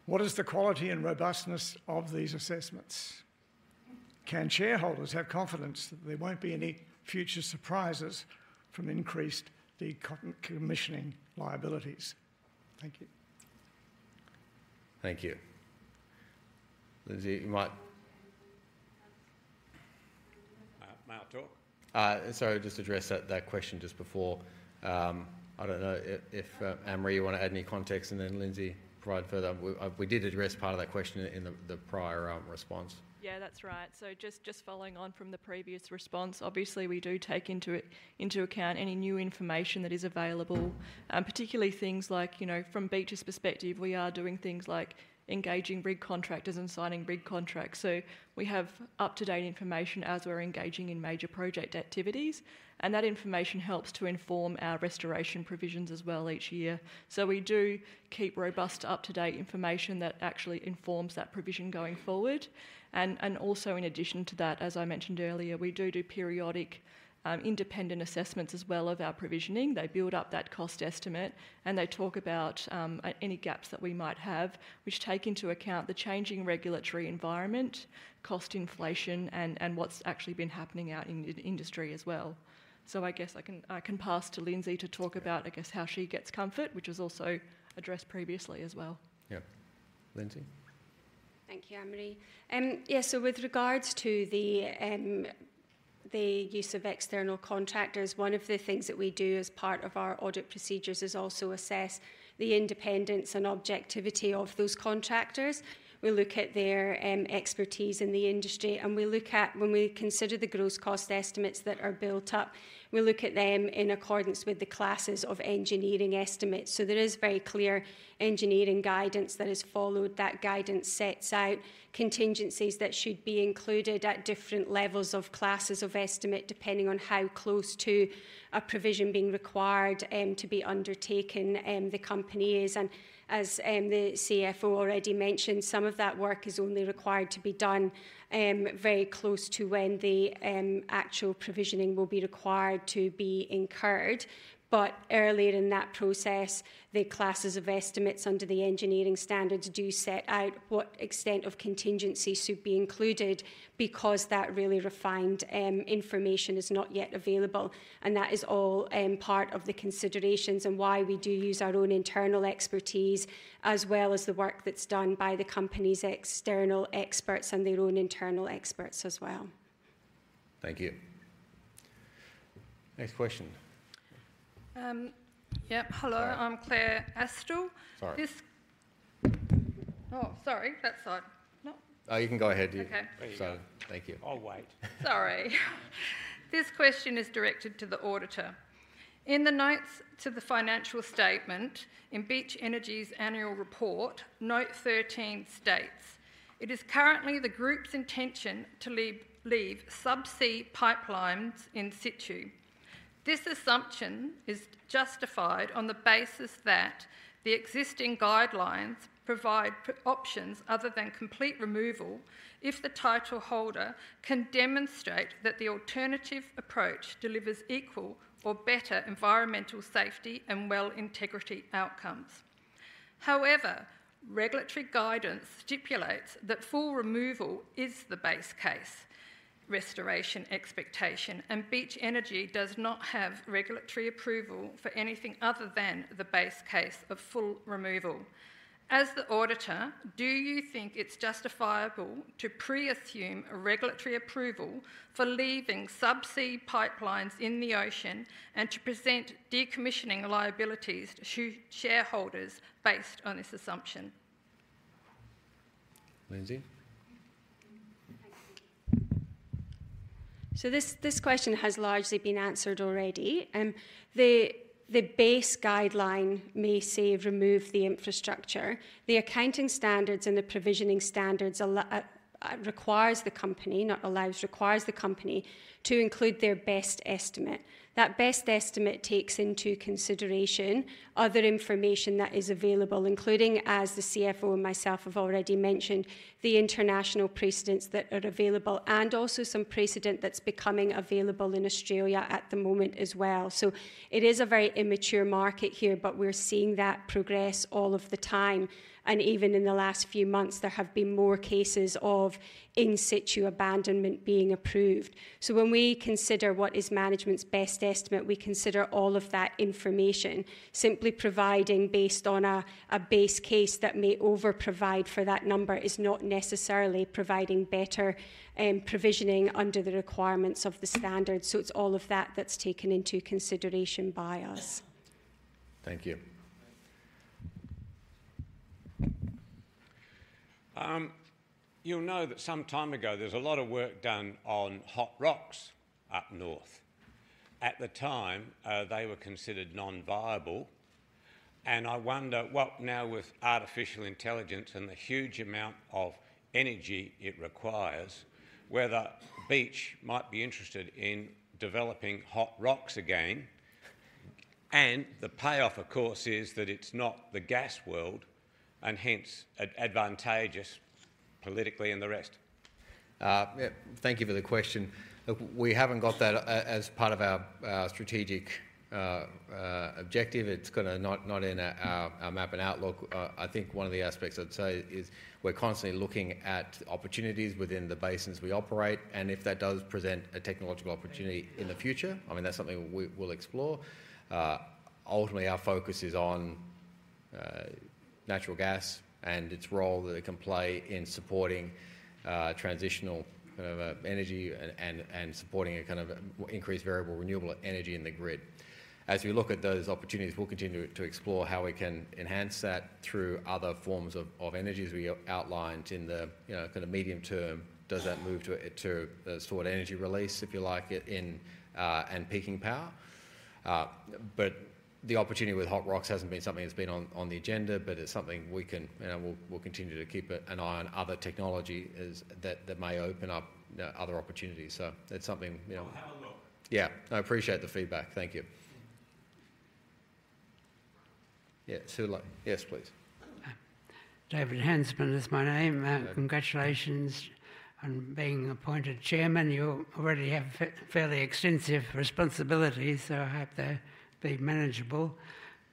What is the quality and robustness of these assessments? Can shareholders have confidence that there won't be any future surprises from increased decommissioning liabilities? Thank you. Thank you. Lindsay, you might. May I talk? Sorry, I'll just address that question just before. I don't know if Anne-Marie, you want to add any context and then Lindsay provide further. We did address part of that question in the prior response. Yeah, that's right. So just following on from the previous response, obviously we do take into account any new information that is available, particularly things like, from Beach's perspective, we are doing things like engaging rig contractors and signing rig contracts. So we have up-to-date information as we're engaging in major project activities, and that information helps to inform our restoration provisions as well each year. So we do keep robust up-to-date information that actually informs that provision going forward. And also, in addition to that, as I mentioned earlier, we do do periodic independent assessments as well of our provisioning. They build up that cost estimate, and they talk about any gaps that we might have, which take into account the changing regulatory environment, cost inflation, and what's actually been happening out in the industry as well. So I guess I can pass to Lindsay to talk about, I guess, how she gets comfort, which was also addressed previously as well. Yeah. Lindsay. Thank you, Anne-Marie. Yeah, so with regards to the use of external contractors, one of the things that we do as part of our audit procedures is also assess the independence and objectivity of those contractors. We look at their expertise in the industry, and we look at, when we consider the gross cost estimates that are built up, we look at them in accordance with the classes of engineering estimates. So there is very clear engineering guidance that is followed. That guidance sets out contingencies that should be included at different levels of classes of estimate, depending on how close to a provision being required to be undertaken the company is. As the CFO already mentioned, some of that work is only required to be done very close to when the actual provisioning will be required to be incurred. But earlier in that process, the classes of estimates under the engineering standards do set out what extent of contingencies should be included because that really refined information is not yet available. That is all part of the considerations and why we do use our own internal expertise, as well as the work that's done by the company's external experts and their own internal experts as well. Thank you. Next question. Yep, hello, I'm Clare Aistrope. Sorry. Oh, sorry, that's odd. You can go ahead, you. Okay. Thank you. I'll wait. Sorry. This question is directed to the auditor. In the notes to the financial statement in Beach Energy's annual report, note 13 states, "It is currently the group's intention to leave subsea pipelines in situ. This assumption is justified on the basis that the existing guidelines provide options other than complete removal if the title holder can demonstrate that the alternative approach delivers equal or better environmental safety and well integrity outcomes. However, regulatory guidance stipulates that full removal is the base case restoration expectation, and Beach Energy does not have regulatory approval for anything other than the base case of full removal. As the auditor, do you think it's justifiable to pre-assume a regulatory approval for leaving subsea pipelines in the ocean and to present decommissioning liabilities to shareholders based on this assumption?" Lindsay. Thank you. So this question has largely been answered already. The base guideline may say, "Remove the infrastructure." The accounting standards and the provisioning standards require the company, not allows, requires the company to include their best estimate. That best estimate takes into consideration other information that is available, including, as the CFO and myself have already mentioned, the international precedents that are available and also some precedent that's becoming available in Australia at the moment as well. So it is a very immature market here, but we're seeing that progress all of the time. And even in the last few months, there have been more cases of in situ abandonment being approved. So when we consider what is management's best estimate, we consider all of that information. Simply providing based on a base case that may over-provide for that number is not necessarily providing better provisioning under the requirements of the standard. So it's all of that that's taken into consideration by us. Thank you. You know that some time ago, there's a lot of work done on hot rocks up north. At the time, they were considered non-viable. And I wonder, what now with artificial intelligence and the huge amount of energy it requires, whether Beach might be interested in developing hot rocks again. And the payoff, of course, is that it's not the gas world and hence advantageous politically and the rest. Thank you for the question. We haven't got that as part of our strategic objective. It's kind of not in our map and outlook. I think one of the aspects I'd say is we're constantly looking at opportunities within the basins we operate. And if that does present a technological opportunity in the future, I mean, that's something we'll explore. Ultimately, our focus is on natural gas and its role that it can play in supporting transitional kind of energy and supporting a kind of increased variable renewable energy in the grid. As we look at those opportunities, we'll continue to explore how we can enhance that through other forms of energy as we outlined in the kind of medium term. Does that move to stored energy release, if you like, and peaking power? But the opportunity with hot rocks hasn't been something that's been on the agenda, but it's something we can, and we'll continue to keep an eye on other technology that may open up other opportunities. So that's something. I'll have a look. Yeah. I appreciate the feedback. Thank you. Yeah. Yes, please. David Hansman is my name. Congratulations on being appointed chairman. You already have fairly extensive responsibilities, so I hope they'll be manageable.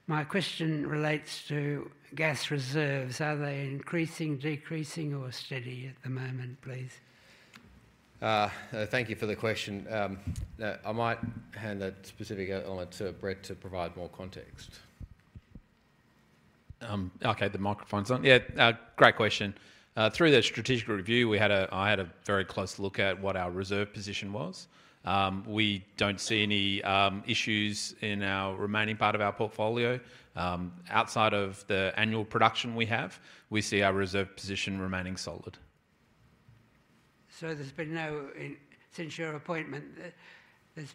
My question relates to gas reserves. Are they increasing, decreasing, or steady at the moment, please? Thank you for the question. I might hand that specific element to Brett to provide more context. Okay, the microphone's on. Yeah, great question. Through the strategic review, I had a very close look at what our reserve position was. We don't see any issues in our remaining part of our portfolio. Outside of the annual production we have, we see our reserve position remaining solid. So there's been no, since your appointment, there's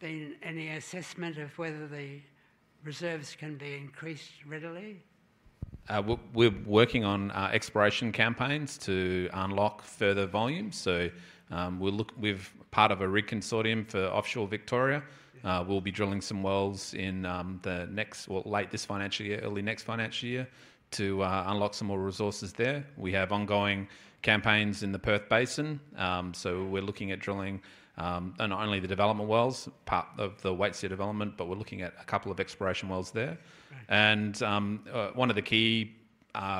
been any assessment of whether the reserves can be increased readily? We're working on exploration campaigns to unlock further volume. So we're part of a rig consortium for offshore Victoria. We'll be drilling some wells in the next, well, late this financial year, early next financial year, to unlock some more resources there. We have ongoing campaigns in the Perth Basin. So we're looking at drilling not only the development wells, part of the Western Flank development, but we're looking at a couple of exploration wells there. And one of the key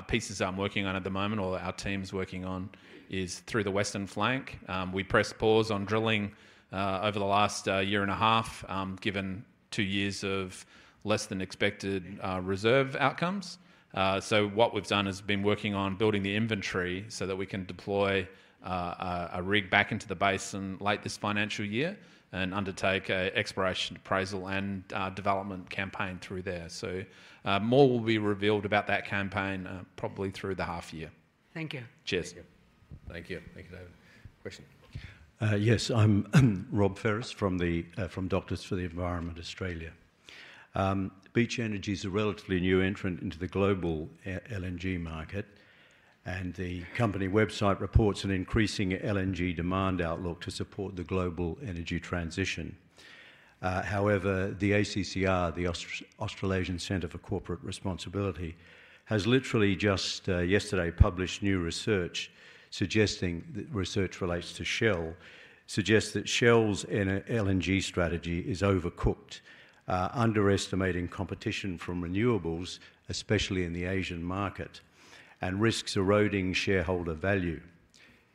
pieces I'm working on at the moment, or our team's working on, is through the Western Flank. We pressed pause on drilling over the last year and a half, given two years of less than expected reserve outcomes. So what we've done has been working on building the inventory so that we can deploy a rig back into the basin late this financial year and undertake an exploration appraisal and development campaign through there. So more will be revealed about that campaign probably through the half year. Thank you. Cheers. Thank you. Thank you, David. Question. Yes, I'm Rob Phair from Doctors for the Environment Australia. Beach Energy is a relatively new entrant into the global LNG market, and the company website reports an increasing LNG demand outlook to support the global energy transition. However, the ACCR, the Australasian Centre for Corporate Responsibility, has literally just yesterday published new research suggesting that research relates to Shell, suggests that Shell's LNG strategy is overcooked, underestimating competition from renewables, especially in the Asian market, and risks eroding shareholder value.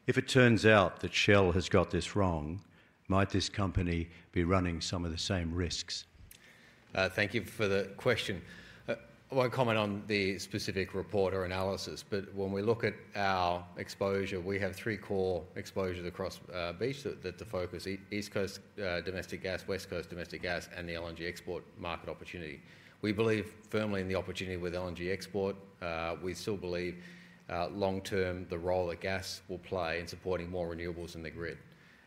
If it turns out that Shell has got this wrong, might this company be running some of the same risks? Thank you for the question. I won't comment on the specific report or analysis, but when we look at our exposure, we have three core exposures across Beach that focus: East Coast domestic gas, West Coast domestic gas, and the LNG export market opportunity. We believe firmly in the opportunity with LNG export. We still believe long term the role that gas will play in supporting more renewables in the grid.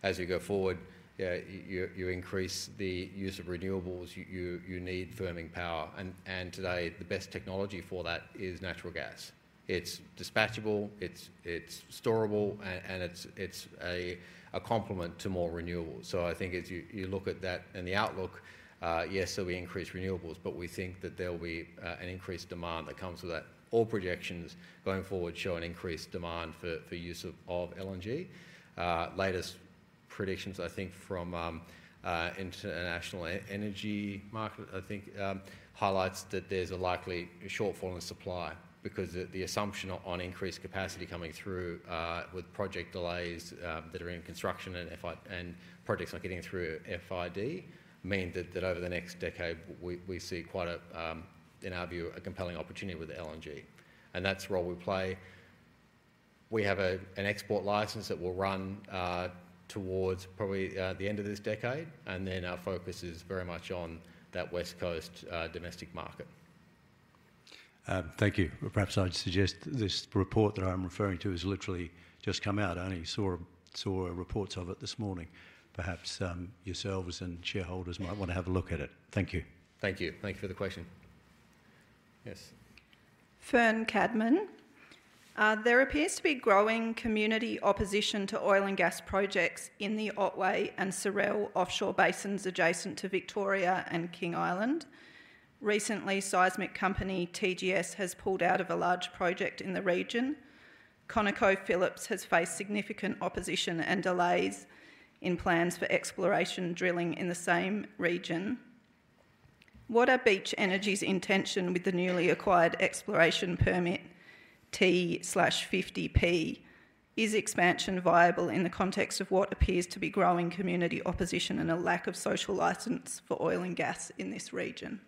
As you go forward, you increase the use of renewables, you need firming power. And today, the best technology for that is natural gas. It's dispatchable, it's storable, and it's a complement to more renewables. So I think as you look at that and the outlook, yes, there'll be increased renewables, but we think that there'll be an increased demand that comes with that. All projections going forward show an increased demand for use of LNG. Latest predictions, I think, from international energy market, I think, highlights that there's a likely shortfall in supply because the assumption on increased capacity coming through with project delays that are in construction and projects not getting through FID means that over the next decade, we see quite a, in our view, a compelling opportunity with LNG. And that's the role we play. We have an export license that will run towards probably the end of this decade, and then our focus is very much on that West Coast domestic market. Thank you. Perhaps I'd suggest this report that I'm referring to has literally just come out. I only saw reports of it this morning. Perhaps yourselves and shareholders might want to have a look at it. Thank you. Thank you. Thank you for the question. Yes. Fern Cadman. There appears to be growing community opposition to oil and gas projects in the Otway and Sorell offshore basins adjacent to Victoria and King Island. Recently, seismic company TGS has pulled out of a large project in the region. ConocoPhillips has faced significant opposition and delays in plans for exploration drilling in the same region. What are Beach Energy's intention with the newly acquired exploration permit T/50P? Is expansion viable in the context of what appears to be growing community opposition and a lack of social license for oil and gas in this region?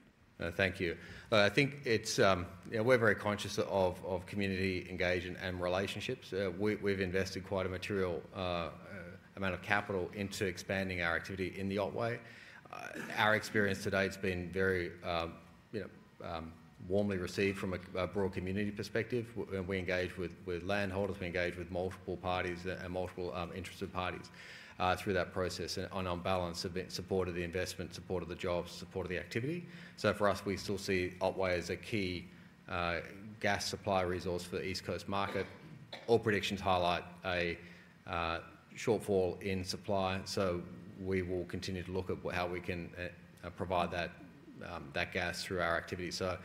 Thank you. I think we're very conscious of community engagement and relationships. We've invested quite a material amount of capital into expanding our activity in the Otway. Our experience today has been very warmly received from a broad community perspective. We engage with landholders. We engage with multiple parties and multiple interested parties through that process and on balance, support of the investment, support of the jobs, support of the activity. So for us, we still see Otway as a key gas supply resource for the East Coast market. All predictions highlight a shortfall in supply. So we will continue to look at how we can provide that gas through our activity. So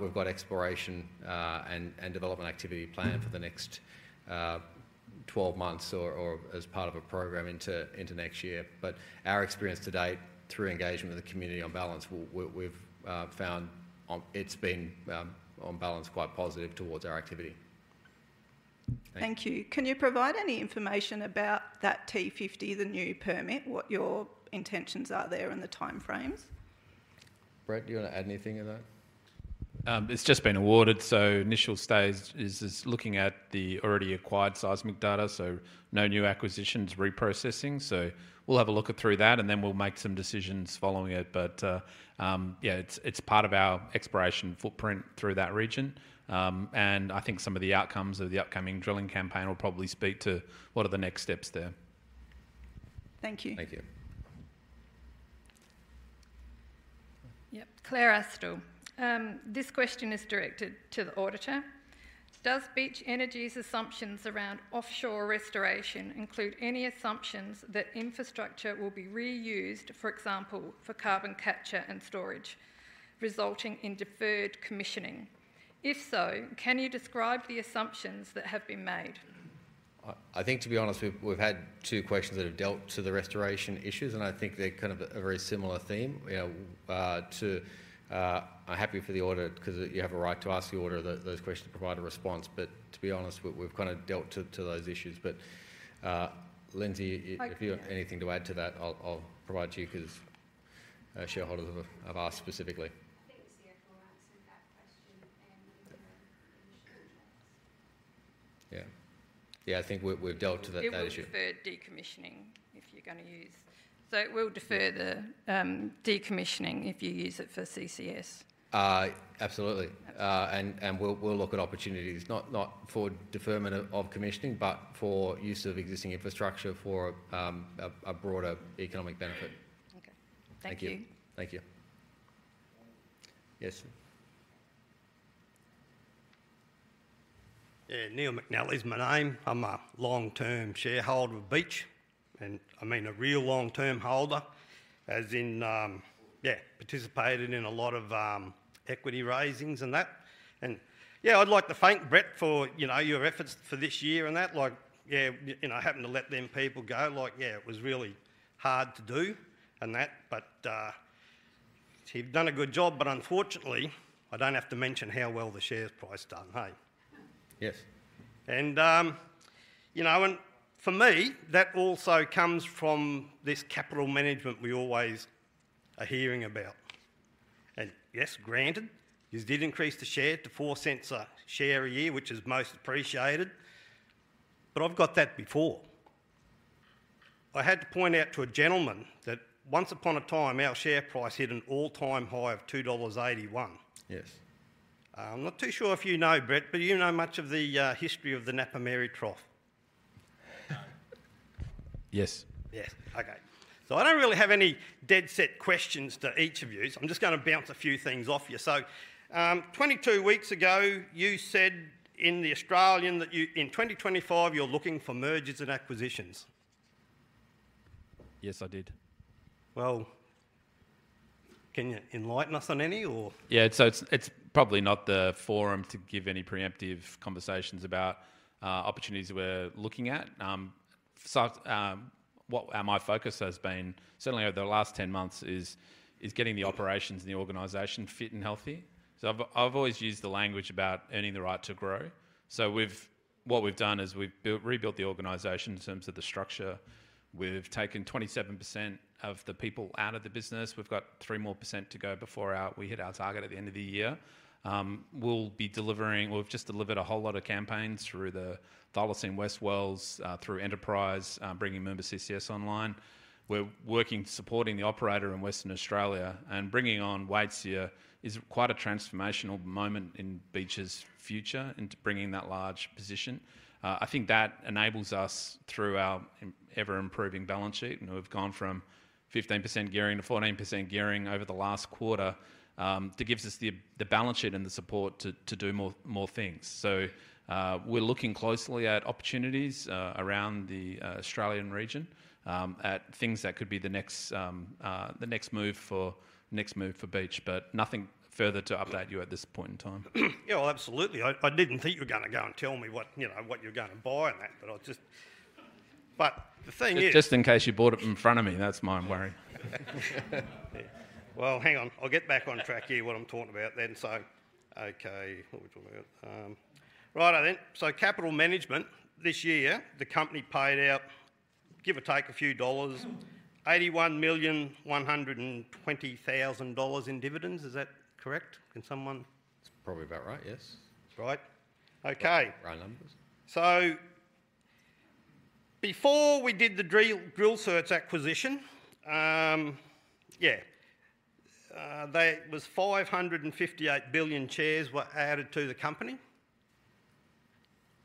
we've got exploration and development activity planned for the next 12 months or as part of a program into next year. But our experience to date through engagement with the community on balance, we've found it's been on balance quite positive towards our activity. Thank you. Can you provide any information about that T/50P, the new permit, what your intentions are there and the timeframes? Brett, do you want to add anything to that? It's just been awarded. So initial stage is looking at the already acquired seismic data, so no new acquisitions, reprocessing. So we'll have a look through that, and then we'll make some decisions following it. But yeah, it's part of our exploration footprint through that region. And I think some of the outcomes of the upcoming drilling campaign will probably speak to what are the next steps there. Thank you. Thank you. Yep. Clare Aistrope. This question is directed to the auditor. Does Beach Energy's assumptions around offshore restoration include any assumptions that infrastructure will be reused, for example, for carbon capture and storage, resulting in deferred decommissioning? If so, can you describe the assumptions that have been made? I think, to be honest, we've had two questions that have dealt to the restoration issues, and I think they're kind of a very similar theme. I'm happy for the audit because you have a right to ask the auditor those questions to provide a response. But to be honest, we've kind of dealt to those issues. But Lindsay, if you have anything to add to that, I'll provide to you because shareholders have asked specifically. Thanks, Ian. More on that question and the initial checks. Yeah. I think we've dealt to that issue. It will defer decommissioning if you're going to use. So it will defer the decommissioning if you use it for CCS? Absolutely. And we'll look at opportunities, not for deferment of decommissioning, but for use of existing infrastructure for a broader economic benefit. Okay. Thank you. Thank you. Thank you. Yes. Neil McNally's my name. I'm a long-term shareholder of Beach. And I mean a real long-term holder, as in, yeah, participated in a lot of equity raisings and that. Yeah, I'd like to thank Brett for your efforts for this year and that. Yeah, I happened to let them people go. Yeah, it was really hard to do and that. But he's done a good job. But unfortunately, I don't have to mention how well the shares priced up, hey. Yes. And for me, that also comes from this capital management we always are hearing about. And yes, granted, you did increase the share to 0.04 a share a year, which is most appreciated. But I've got that before. I had to point out to a gentleman that once upon a time, our share price hit an all-time high of 2.81 dollars. Yes. I'm not too sure if you know, Brett, but you know much of the history of the Nappamerri Trough. Yes. Yes. Okay. So I don't really have any dead-set questions to each of you. I'm just going to bounce a few things off you. So 22 weeks ago, you said in The Australian that in 2025, you're looking for mergers and acquisitions. Yes, I did. Well, can you enlighten us on any, or? Yeah, so it's probably not the forum to give any preemptive conversations about opportunities we're looking at. What my focus has been, certainly over the last 10 months, is getting the operations and the organization fit and healthy. So I've always used the language about earning the right to grow. So what we've done is we've rebuilt the organization in terms of the structure. We've taken 27% of the people out of the business. We've got 3% more to go before we hit our target at the end of the year. We'll be delivering. We've just delivered a whole lot of campaigns through the Cooper in west wells, through Enterprise, bringing Moomba CCS online. We're working, supporting the operator in Western Australia, and bringing on Waitsia here is quite a transformational moment in Beach's future into bringing that large position. I think that enables us through our ever-improving balance sheet, and we've gone from 15% gearing to 14% gearing over the last quarter to give us the balance sheet and the support to do more things. So we're looking closely at opportunities around the Australian region, at things that could be the next move for Beach, but nothing further to update you at this point in time. Yeah, well, absolutely. I didn't think you were going to go and tell me what you're going to buy and that, but I'll just, but the thing is, just in case you bought it in front of me, that's my worry. Well, hang on. I'll get back on track here, what I'm talking about then. So, okay. Right, I think. So capital management this year, the company paid out, give or take a few dollars, 81,120,000 dollars in dividends. Is that correct? Can someone— it's probably about right, yes. That's right. Okay. Right numbers. So before we did the Drillsearch acquisition, yeah, that was 558 million shares were added to the company.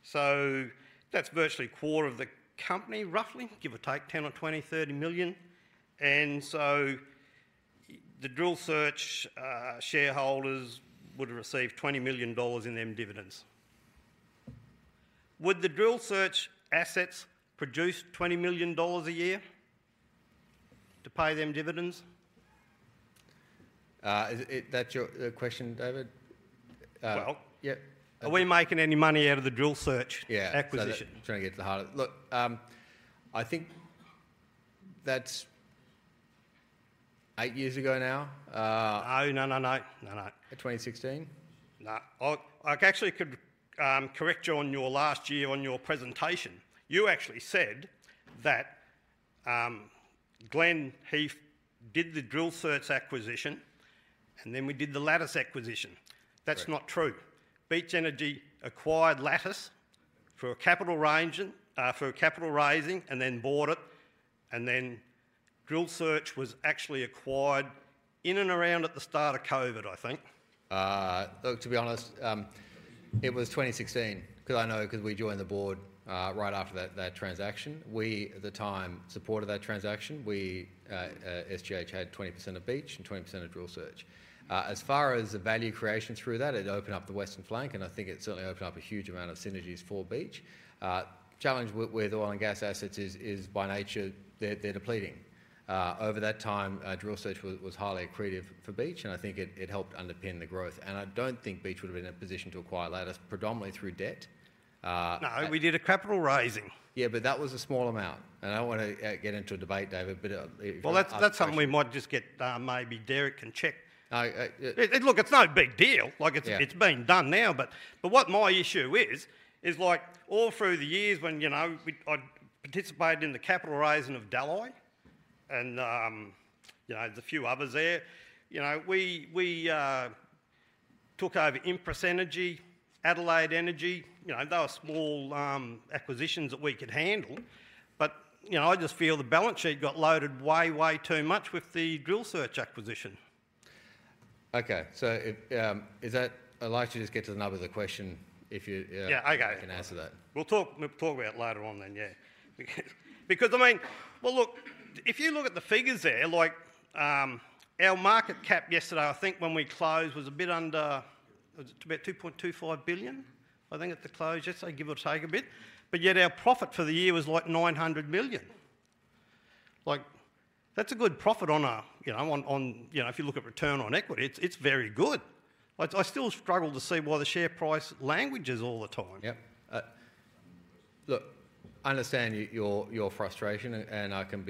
So that's virtually a quarter of the company, roughly, give or take 10 or 20, 30 million. And so the Drillsearch shareholders would have received 20 million dollars in them dividends. Would the Drillsearch assets produce 20 million dollars a year to pay them dividends? Is that your question, David? Well, yeah. Are we making any money out of the Drillsearch acquisition? Yeah, trying to get to the heart of it. Look, I think that's eight years ago now. Oh, no, no, no. No, no. 2016. I actually could correct you on your last year on your presentation. You actually said that Glenn here did the Drillsearch acquisition, and then we did the Lattice acquisition. That's not true. Beach Energy acquired Lattice for capital raising and then bought it, and then Drillsearch was actually acquired in and around at the start of COVID, I think. Look, to be honest, it was 2016 because I know because we joined the board right after that transaction. We, at the time, supported that transaction. SGH had 20% of Beach and 20% of Drillsearch. As far as the value creation through that, it opened up the Western Flank, and I think it certainly opened up a huge amount of synergies for Beach. The challenge with oil and gas assets is, by nature, they're depleting. Over that time, Drillsearch was highly accretive for Beach, and I think it helped underpin the growth. I don't think Beach would have been in a position to acquire Lattice predominantly through debt. No, we did a capital raising. Yeah, but that was a small amount. I don't want to get into a debate, David, but well, that's something we might just get. Maybe Derek can check. Look, it's no big deal. It's been done now. But what my issue is, is all through the years when I participated in the capital raising of Lattice and the few others there, we took over Empress Energy, Adelaide Energy. They were small acquisitions that we could handle. But I just feel the balance sheet got loaded way, way too much with the Drillsearch acquisition. Okay. So I'd like to just get to the number of the question if you can answer that. We'll talk about it later on then, yeah. Because, I mean, well, look, if you look at the figures there, our market cap yesterday, I think when we closed, was a bit under about 2.25 billion, I think, at the close, yes, I give or take a bit. But yet our profit for the year was like 900 million. That's a good profit on a—if you look at return on equity, it's very good. I still struggle to see why the share price languishes all the time. Look, I understand your frustration, and I can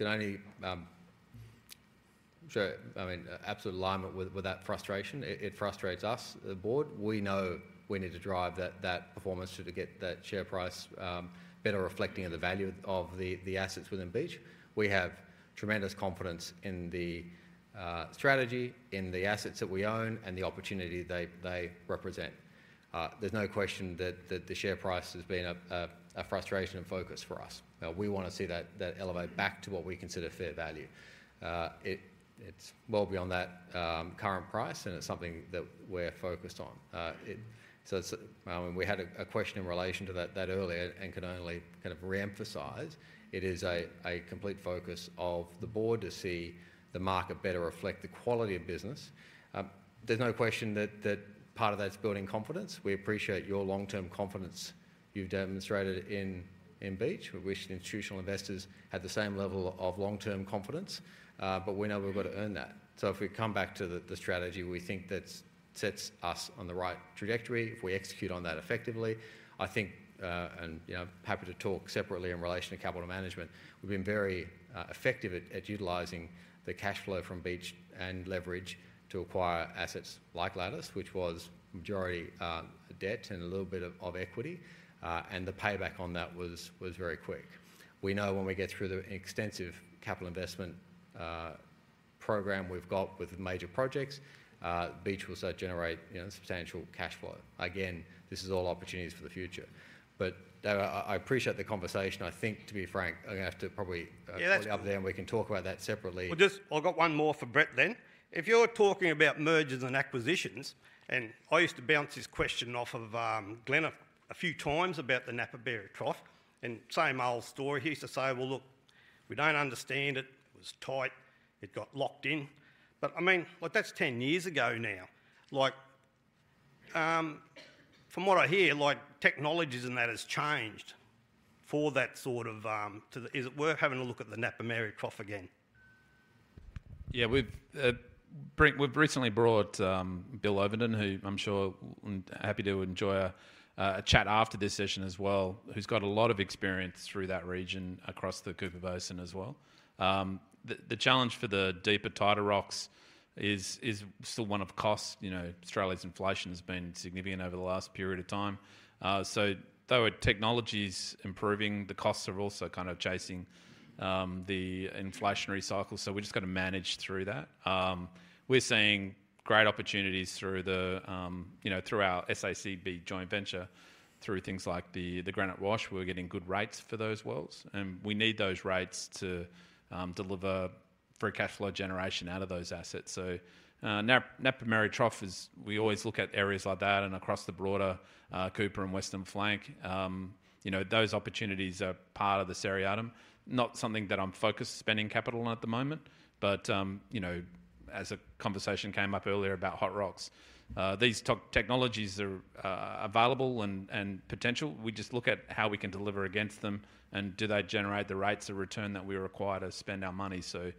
only say, I mean, absolute alignment with that frustration. It frustrates us, the board. We know we need to drive that performance to get that share price better reflecting the value of the assets within Beach. We have tremendous confidence in the strategy, in the assets that we own, and the opportunity they represent. There's no question that the share price has been a frustration and focus for us. We want to see that elevate back to what we consider fair value. It's well beyond that current price, and it's something that we're focused on. So we had a question in relation to that earlier and can only kind of re-emphasise. It is a complete focus of the board to see the market better reflect the quality of business. There's no question that part of that's building confidence. We appreciate your long-term confidence you've demonstrated in Beach. We wish the institutional investors had the same level of long-term confidence, but we know we've got to earn that. So if we come back to the strategy, we think that sets us on the right trajectory if we execute on that effectively. I think, and I'm happy to talk separately in relation to capital management, we've been very effective at utilizing the cash flow from Beach and leverage to acquire assets like Lattice, which was majority debt and a little bit of equity. And the payback on that was very quick. We know when we get through the extensive capital investment program we've got with major projects, Beach will start to generate substantial cash flow. Again, this is all opportunities for the future. But I appreciate the conversation. I think, to be frank, I'm going to have to probably put it up there and we can talk about that separately. Well, I've got one more for Brett then. If you're talking about mergers and acquisitions, and I used to bounce this question off of Glenn a few times about the Nappamerri Trough, and same old story. He used to say, "Well, look, we don't understand it. It was tight. It got locked in." But I mean, that's 10 years ago now. From what I hear, technologies and that has changed for that sort of, is it worth having a look at the Nappamerri Trough again? Yeah, we've recently brought Bill Ovenden, who I'm sure will be happy to enjoy a chat after this session as well, who's got a lot of experience through that region across the Cooper Basin as well. The challenge for the deeper tighter rocks is still one of costs. Australia's inflation has been significant over the last period of time. So though technology is improving, the costs are also kind of chasing the inflationary cycle. So we've just got to manage through that. We're seeing great opportunities through our SACB joint venture, through things like the Granite Wash. We're getting good rates for those wells. And we need those rates to deliver for a cash flow generation out of those assets. So Nappamerri Trough, we always look at areas like that and across the broader Cooper and Western Flank. Those opportunities are part of the scenario. Not something that I'm focused spending capital on at the moment. But as a conversation came up earlier about hot rocks, these technologies are available and potential. We just look at how we can deliver against them and do they generate the rates of return that we require to spend our money, so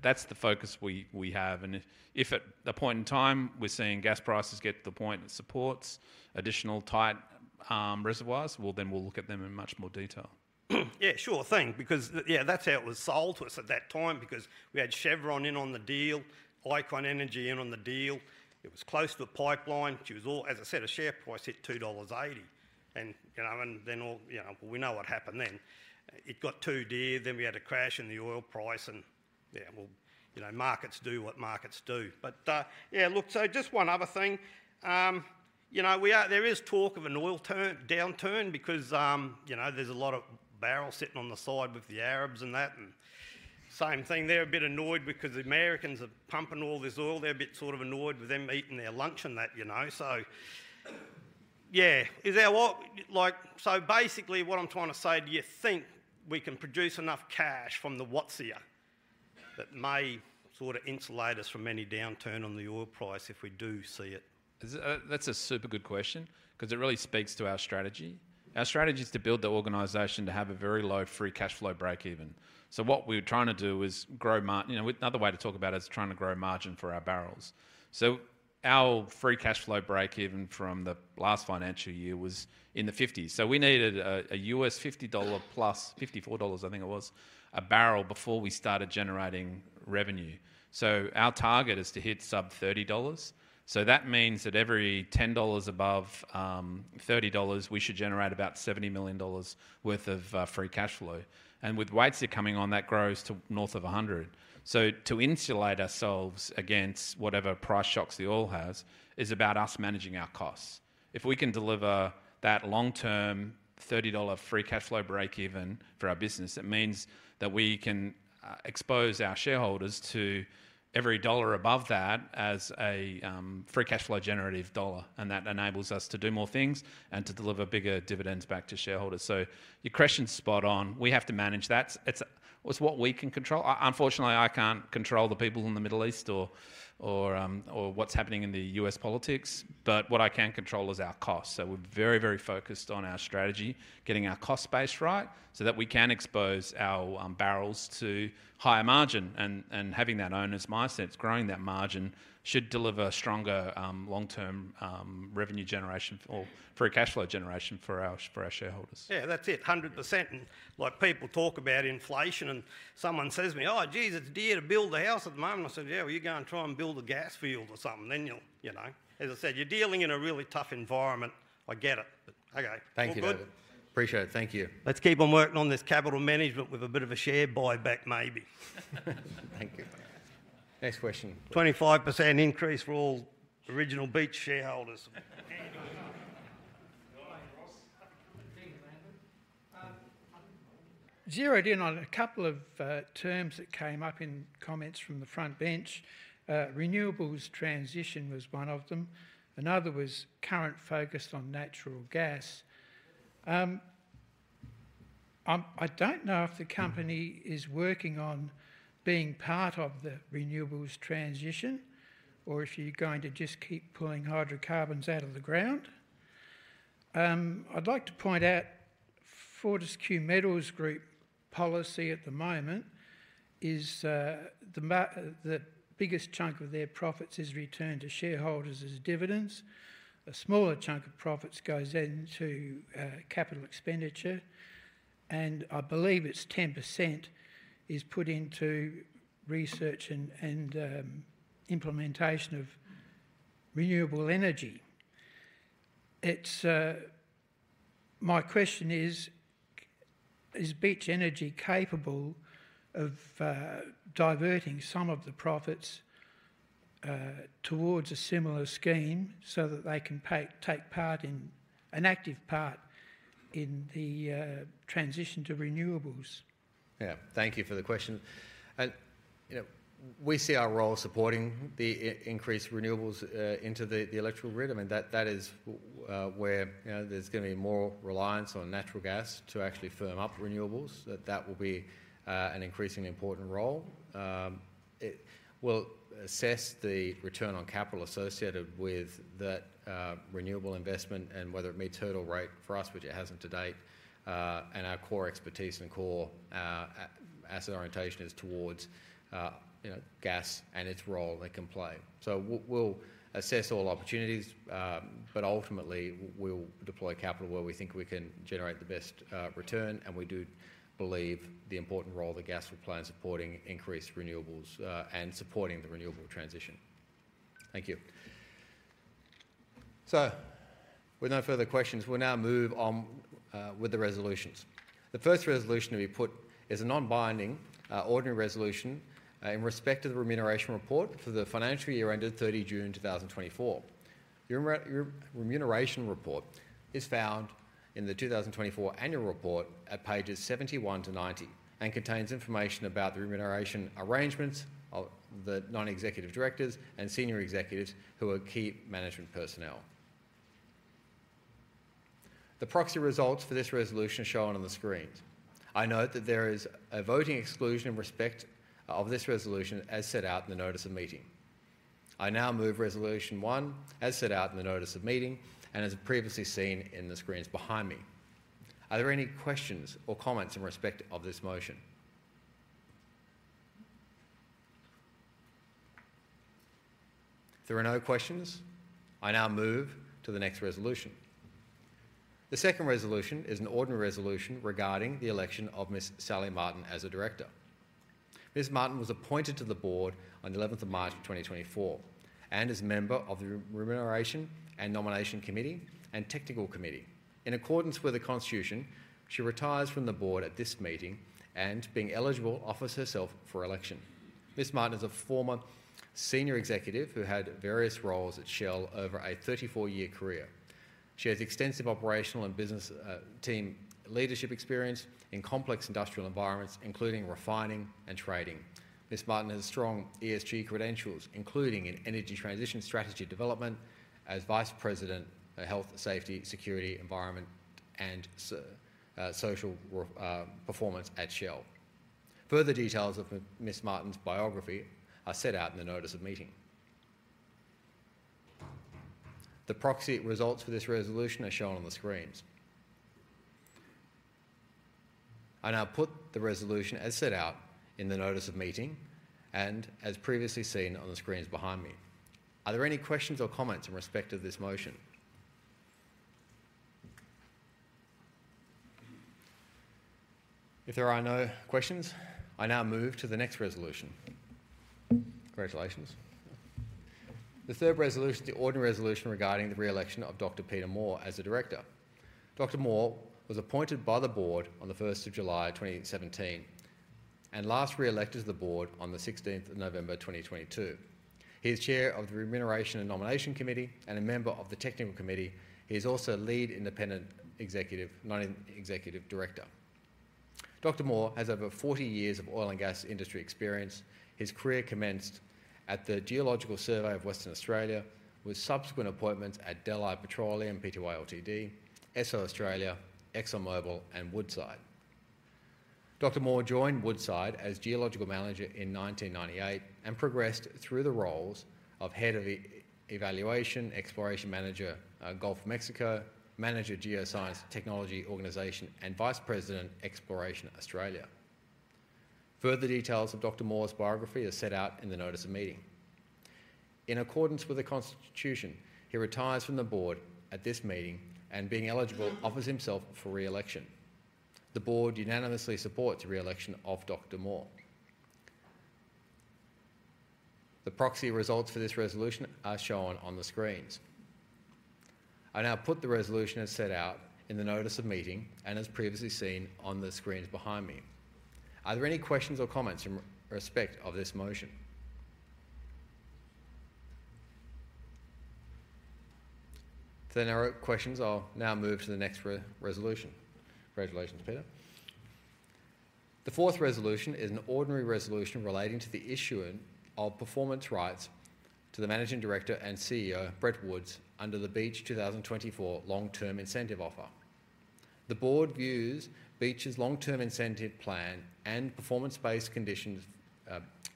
that's the focus we have, and if at a point in time we're seeing gas prices get to the point that supports additional tight reservoirs, well, then we'll look at them in much more detail. Yeah, sure. Think because, yeah, that's how it was sold to us at that time because we had Chevron in on the deal, Icon Energy in on the deal. It was close to a pipeline. As I said, a share price hit 2.80 dollars, and then we know what happened then. It got too dear. Then we had a crash in the oil price, and yeah, markets do what markets do. But yeah, look, so just one other thing. There is talk of an oil downturn because there's a lot of barrel sitting on the side with the Arabs and that, and same thing there, a bit annoyed because the Americans are pumping all this oil. They're a bit sort of annoyed with them eating their lunch and that. Yeah, is that what? Basically, what I'm trying to say, do you think we can produce enough cash from the Waitsia that may sort of insulate us from any downturn on the oil price if we do see it? That's a super good question because it really speaks to our strategy. Our strategy is to build the organization to have a very low free cash flow break-even, so what we were trying to do was grow. Another way to talk about it is trying to grow margin for our barrels. Our free cash flow break-even from the last financial year was in the 50s. We needed a $50 plus, $54, I think it was, a barrel before we started generating revenue. Our target is to hit sub $30. That means that every $10 above $30, we should generate about $70 million worth of free cash flow. And with Waitsia coming on, that grows to north of 100. To insulate ourselves against whatever price shocks the oil has is about us managing our costs. If we can deliver that long-term $30 free cash flow break-even for our business, it means that we can expose our shareholders to every dollar above that as a free cash flow generative dollar. And that enables us to do more things and to deliver bigger dividends back to shareholders. Your question's spot on. We have to manage that. It's what we can control. Unfortunately, I can't control the people in the Middle East or what's happening in the U.S. politics. But what I can control is our costs. So we're very, very focused on our strategy, getting our cost base right so that we can expose our barrels to higher margin. And having that owners' mindset, growing that margin should deliver stronger long-term revenue generation or free cash flow generation for our shareholders. Yeah, that's it, 100%. And people talk about inflation and someone says to me, "Oh, geez, it's dear to build a house at the moment." I said, "Yeah, well, you're going to try and build a gas field or something." Then you'll, as I said, you're dealing in a really tough environment. I get it. Okay. Thank you, David. Appreciate it. Thank you. Let's keep on working on this capital management with a bit of a share buyback maybe. Thank you. Next question. 25% increase for all original Beach shareholders. Zero in on, on a couple of terms that came up in comments from the front bench. Renewables transition was one of them. Another was current focus on natural gas. I don't know if the company is working on being part of the renewables transition or if you're going to just keep pulling hydrocarbons out of the ground. I'd like to point out Fortescue Metals Group policy at the moment is the biggest chunk of their profits is returned to shareholders as dividends. A smaller chunk of profits goes into capital expenditure. And I believe it's 10% is put into research and implementation of renewable energy. My question is, is Beach Energy capable of diverting some of the profits towards a similar scheme so that they can take part in an active part in the transition to renewables? Yeah, thank you for the question. We see our role supporting the increased renewables into the electrical grid. I mean, that is where there's going to be more reliance on natural gas to actually firm up renewables. That will be an increasingly important role. It will assess the return on capital associated with that renewable investment and whether it meets hurdle rate for us, which it hasn't to date. And our core expertise and core asset orientation is towards gas and its role that can play. So we'll assess all opportunities, but ultimately, we'll deploy capital where we think we can generate the best return. And we do believe the important role that gas will play in supporting increased renewables and supporting the renewable transition. Thank you. So with no further questions, we'll now move on with the resolutions. The first resolution that we put is a non-binding ordinary resolution in respect of the remuneration report for the financial year ended 30 June 2024. The remuneration report is found in the 2024 annual report at pages 71-90 and contains information about the remuneration arrangements of the non-executive directors and senior executives who are key management personnel. The proxy results for this resolution are shown on the screens. I note that there is a voting exclusion in respect of this resolution as set out in the notice of meeting. I now move resolution one as set out in the notice of meeting and as previously seen in the screens behind me. Are there any questions or comments in respect of this motion? There are no questions. I now move to the next resolution. The second resolution is an ordinary resolution regarding the election of Ms. Sally Martin as a director. Ms. Martin was appointed to the board on 11th of March 2024 and is a member of the remuneration and nomination committee and technical committee. In accordance with the constitution, she retires from the board at this meeting and, being eligible, offers herself for election. Ms. Martin is a former senior executive who had various roles at Shell over a 34-year career. She has extensive operational and business team leadership experience in complex industrial environments, including refining and trading. Ms. Martin has strong ESG credentials, including in energy transition strategy development as vice president of health, safety, security, environment, and social performance at Shell. Further details of Ms. Martin's biography are set out in the notice of meeting. The proxy results for this resolution are shown on the screens. I now put the resolution as set out in the notice of meeting and as previously seen on the screens behind me. Are there any questions or comments in respect of this motion? If there are no questions, I now move to the next resolution. Congratulations. The third resolution is the ordinary resolution regarding the re-election of Dr. Peter Moore as a director. Dr. Moore was appointed by the board on the 1st of July 2017 and last re-elected to the board on the 16th of November 2022. He is chair of the remuneration and nomination committee and a member of the technical committee. He is also a lead independent executive, not an executive director. Dr. Moore has over 40 years of oil and gas industry experience. His career commenced at the Geological Survey of Western Australia with subsequent appointments at Delhi Petroleum Pty Ltd, Esso Australia, ExxonMobil, and Woodside. Dr. Moore joined Woodside as geological manager in 1998 and progressed through the roles of head of the evaluation, exploration manager, Gulf of Mexico, manager geoscience technology organization, and vice president exploration Australia. Further details of Dr. Moore's biography are set out in the notice of meeting. In accordance with the constitution, he retires from the board at this meeting and, being eligible, offers himself for re-election. The board unanimously supports re-election of Dr. Moore. The proxy results for this resolution are shown on the screens. I now put the resolution as set out in the notice of meeting and as previously seen on the screens behind me. Are there any questions or comments in respect of this motion? If there are no questions, I'll now move to the next resolution. Congratulations, Peter. The fourth resolution is an ordinary resolution relating to the issuing of performance rights to the Managing Director and CEO, Brett Woods, under the Beach 2024 long-term incentive offer. The board views Beach's long-term incentive plan and performance-based conditions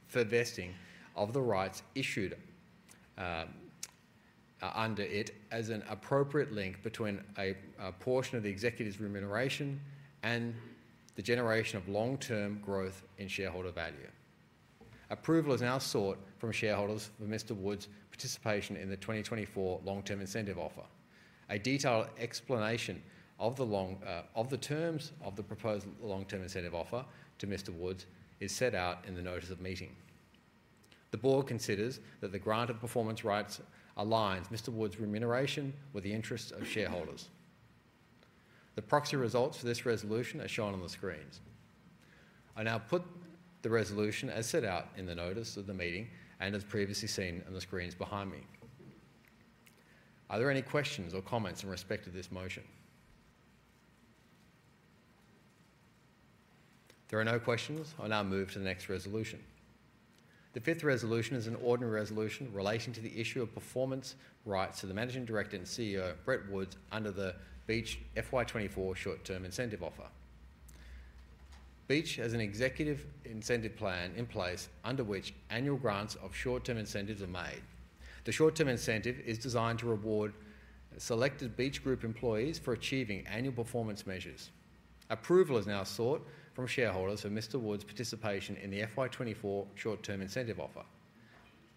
for vesting of the rights issued under it as an appropriate link between a portion of the executive's remuneration and the generation of long-term growth in shareholder value. Approval is now sought from shareholders for Mr. Woods's participation in the 2024 long-term incentive offer. A detailed explanation of the terms of the proposed long-term incentive offer to Mr. Woods is set out in the notice of meeting. The board considers that the grant of performance rights aligns Mr. Woods's remuneration with the interests of shareholders. The proxy results for this resolution are shown on the screens. I now put the resolution as set out in the notice of the meeting and as previously seen on the screens behind me. Are there any questions or comments in respect of this motion? There are no questions. I'll now move to the next resolution. The fifth resolution is an ordinary resolution relating to the issue of performance rights to the Managing Director and CEO, Brett Woods, under the Beach FY24 short-term incentive offer. Beach has an executive incentive plan in place under which annual grants of short-term incentives are made. The short-term incentive is designed to reward selected Beach Group employees for achieving annual performance measures. Approval is now sought from shareholders for Mr. Woods's participation in the FY24 short-term incentive offer.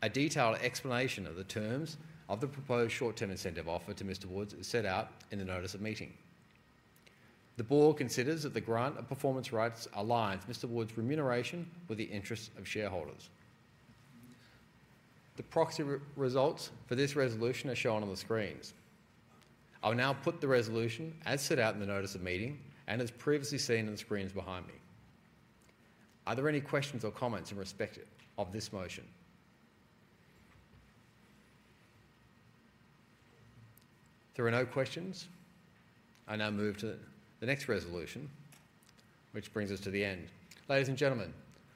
A detailed explanation of the terms of the proposed short-term incentive offer to Mr. Woods is set out in the notice of meeting. The board considers that the grant of performance rights aligns Mr. Wood's remuneration with the interests of shareholders. The proxy results for this resolution are shown on the screens. I'll now put the resolution as set out in the notice of meeting and as previously seen on the screens behind me. Are there any questions or comments in respect of this motion? There are no questions. I now move to the next resolution, which brings us to the end. Ladies and gentlemen,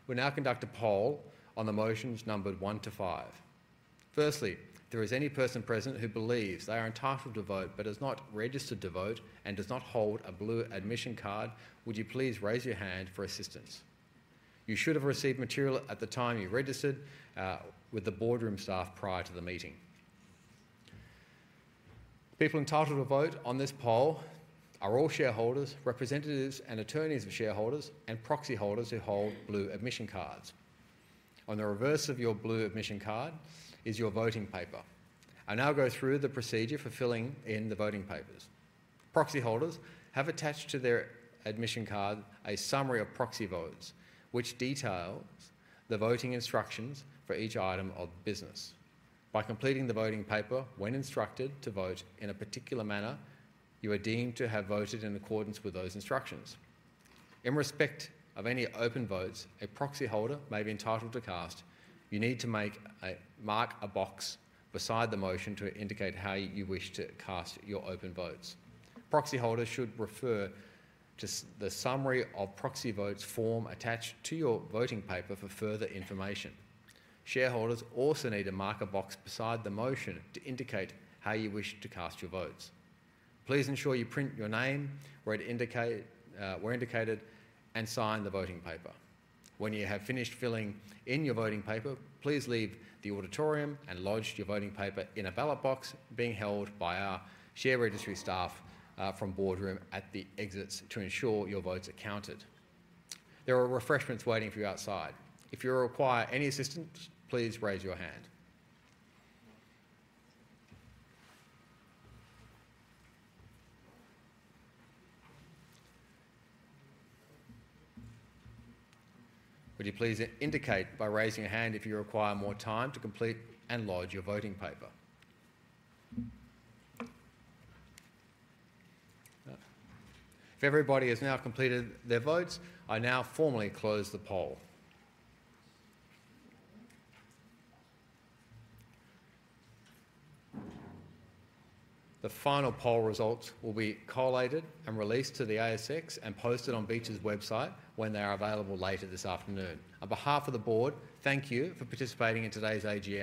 we'll now conduct a poll on the motions numbered one to five. Firstly, if there is any person present who believes they are entitled to vote but has not registered to vote and does not hold a blue admission card, would you please raise your hand for assistance? You should have received material at the time you registered with the Boardroom staff prior to the meeting. People entitled to vote on this poll are all shareholders, representatives and attorneys of shareholders, and proxy holders who hold blue admission cards. On the reverse of your blue admission card is your voting paper. I now go through the procedure for filling in the voting papers. Proxy holders have attached to their admission card a summary of proxy votes, which details the voting instructions for each item of business. By completing the voting paper when instructed to vote in a particular manner, you are deemed to have voted in accordance with those instructions. In respect of any open votes, a proxy holder may be entitled to cast. You need to mark a box beside the motion to indicate how you wish to cast your open votes. Proxy holders should refer to the summary of proxy votes form attached to your voting paper for further information. Shareholders also need to mark a box beside the motion to indicate how you wish to cast your votes. Please ensure you print your name where indicated and sign the voting paper. When you have finished filling in your voting paper, please leave the auditorium and lodge your voting paper in a ballot box being held by our share registry staff from Boardroom at the exits to ensure your votes are counted. There are refreshments waiting for you outside. If you require any assistance, please raise your hand. Would you please indicate by raising your hand if you require more time to complete and lodge your voting paper? If everybody has now completed their votes, I now formally close the poll. The final poll results will be collated and released to the ASX and posted on Beach's website when they are available later this afternoon. On behalf of the board, thank you for participating in today's AGM.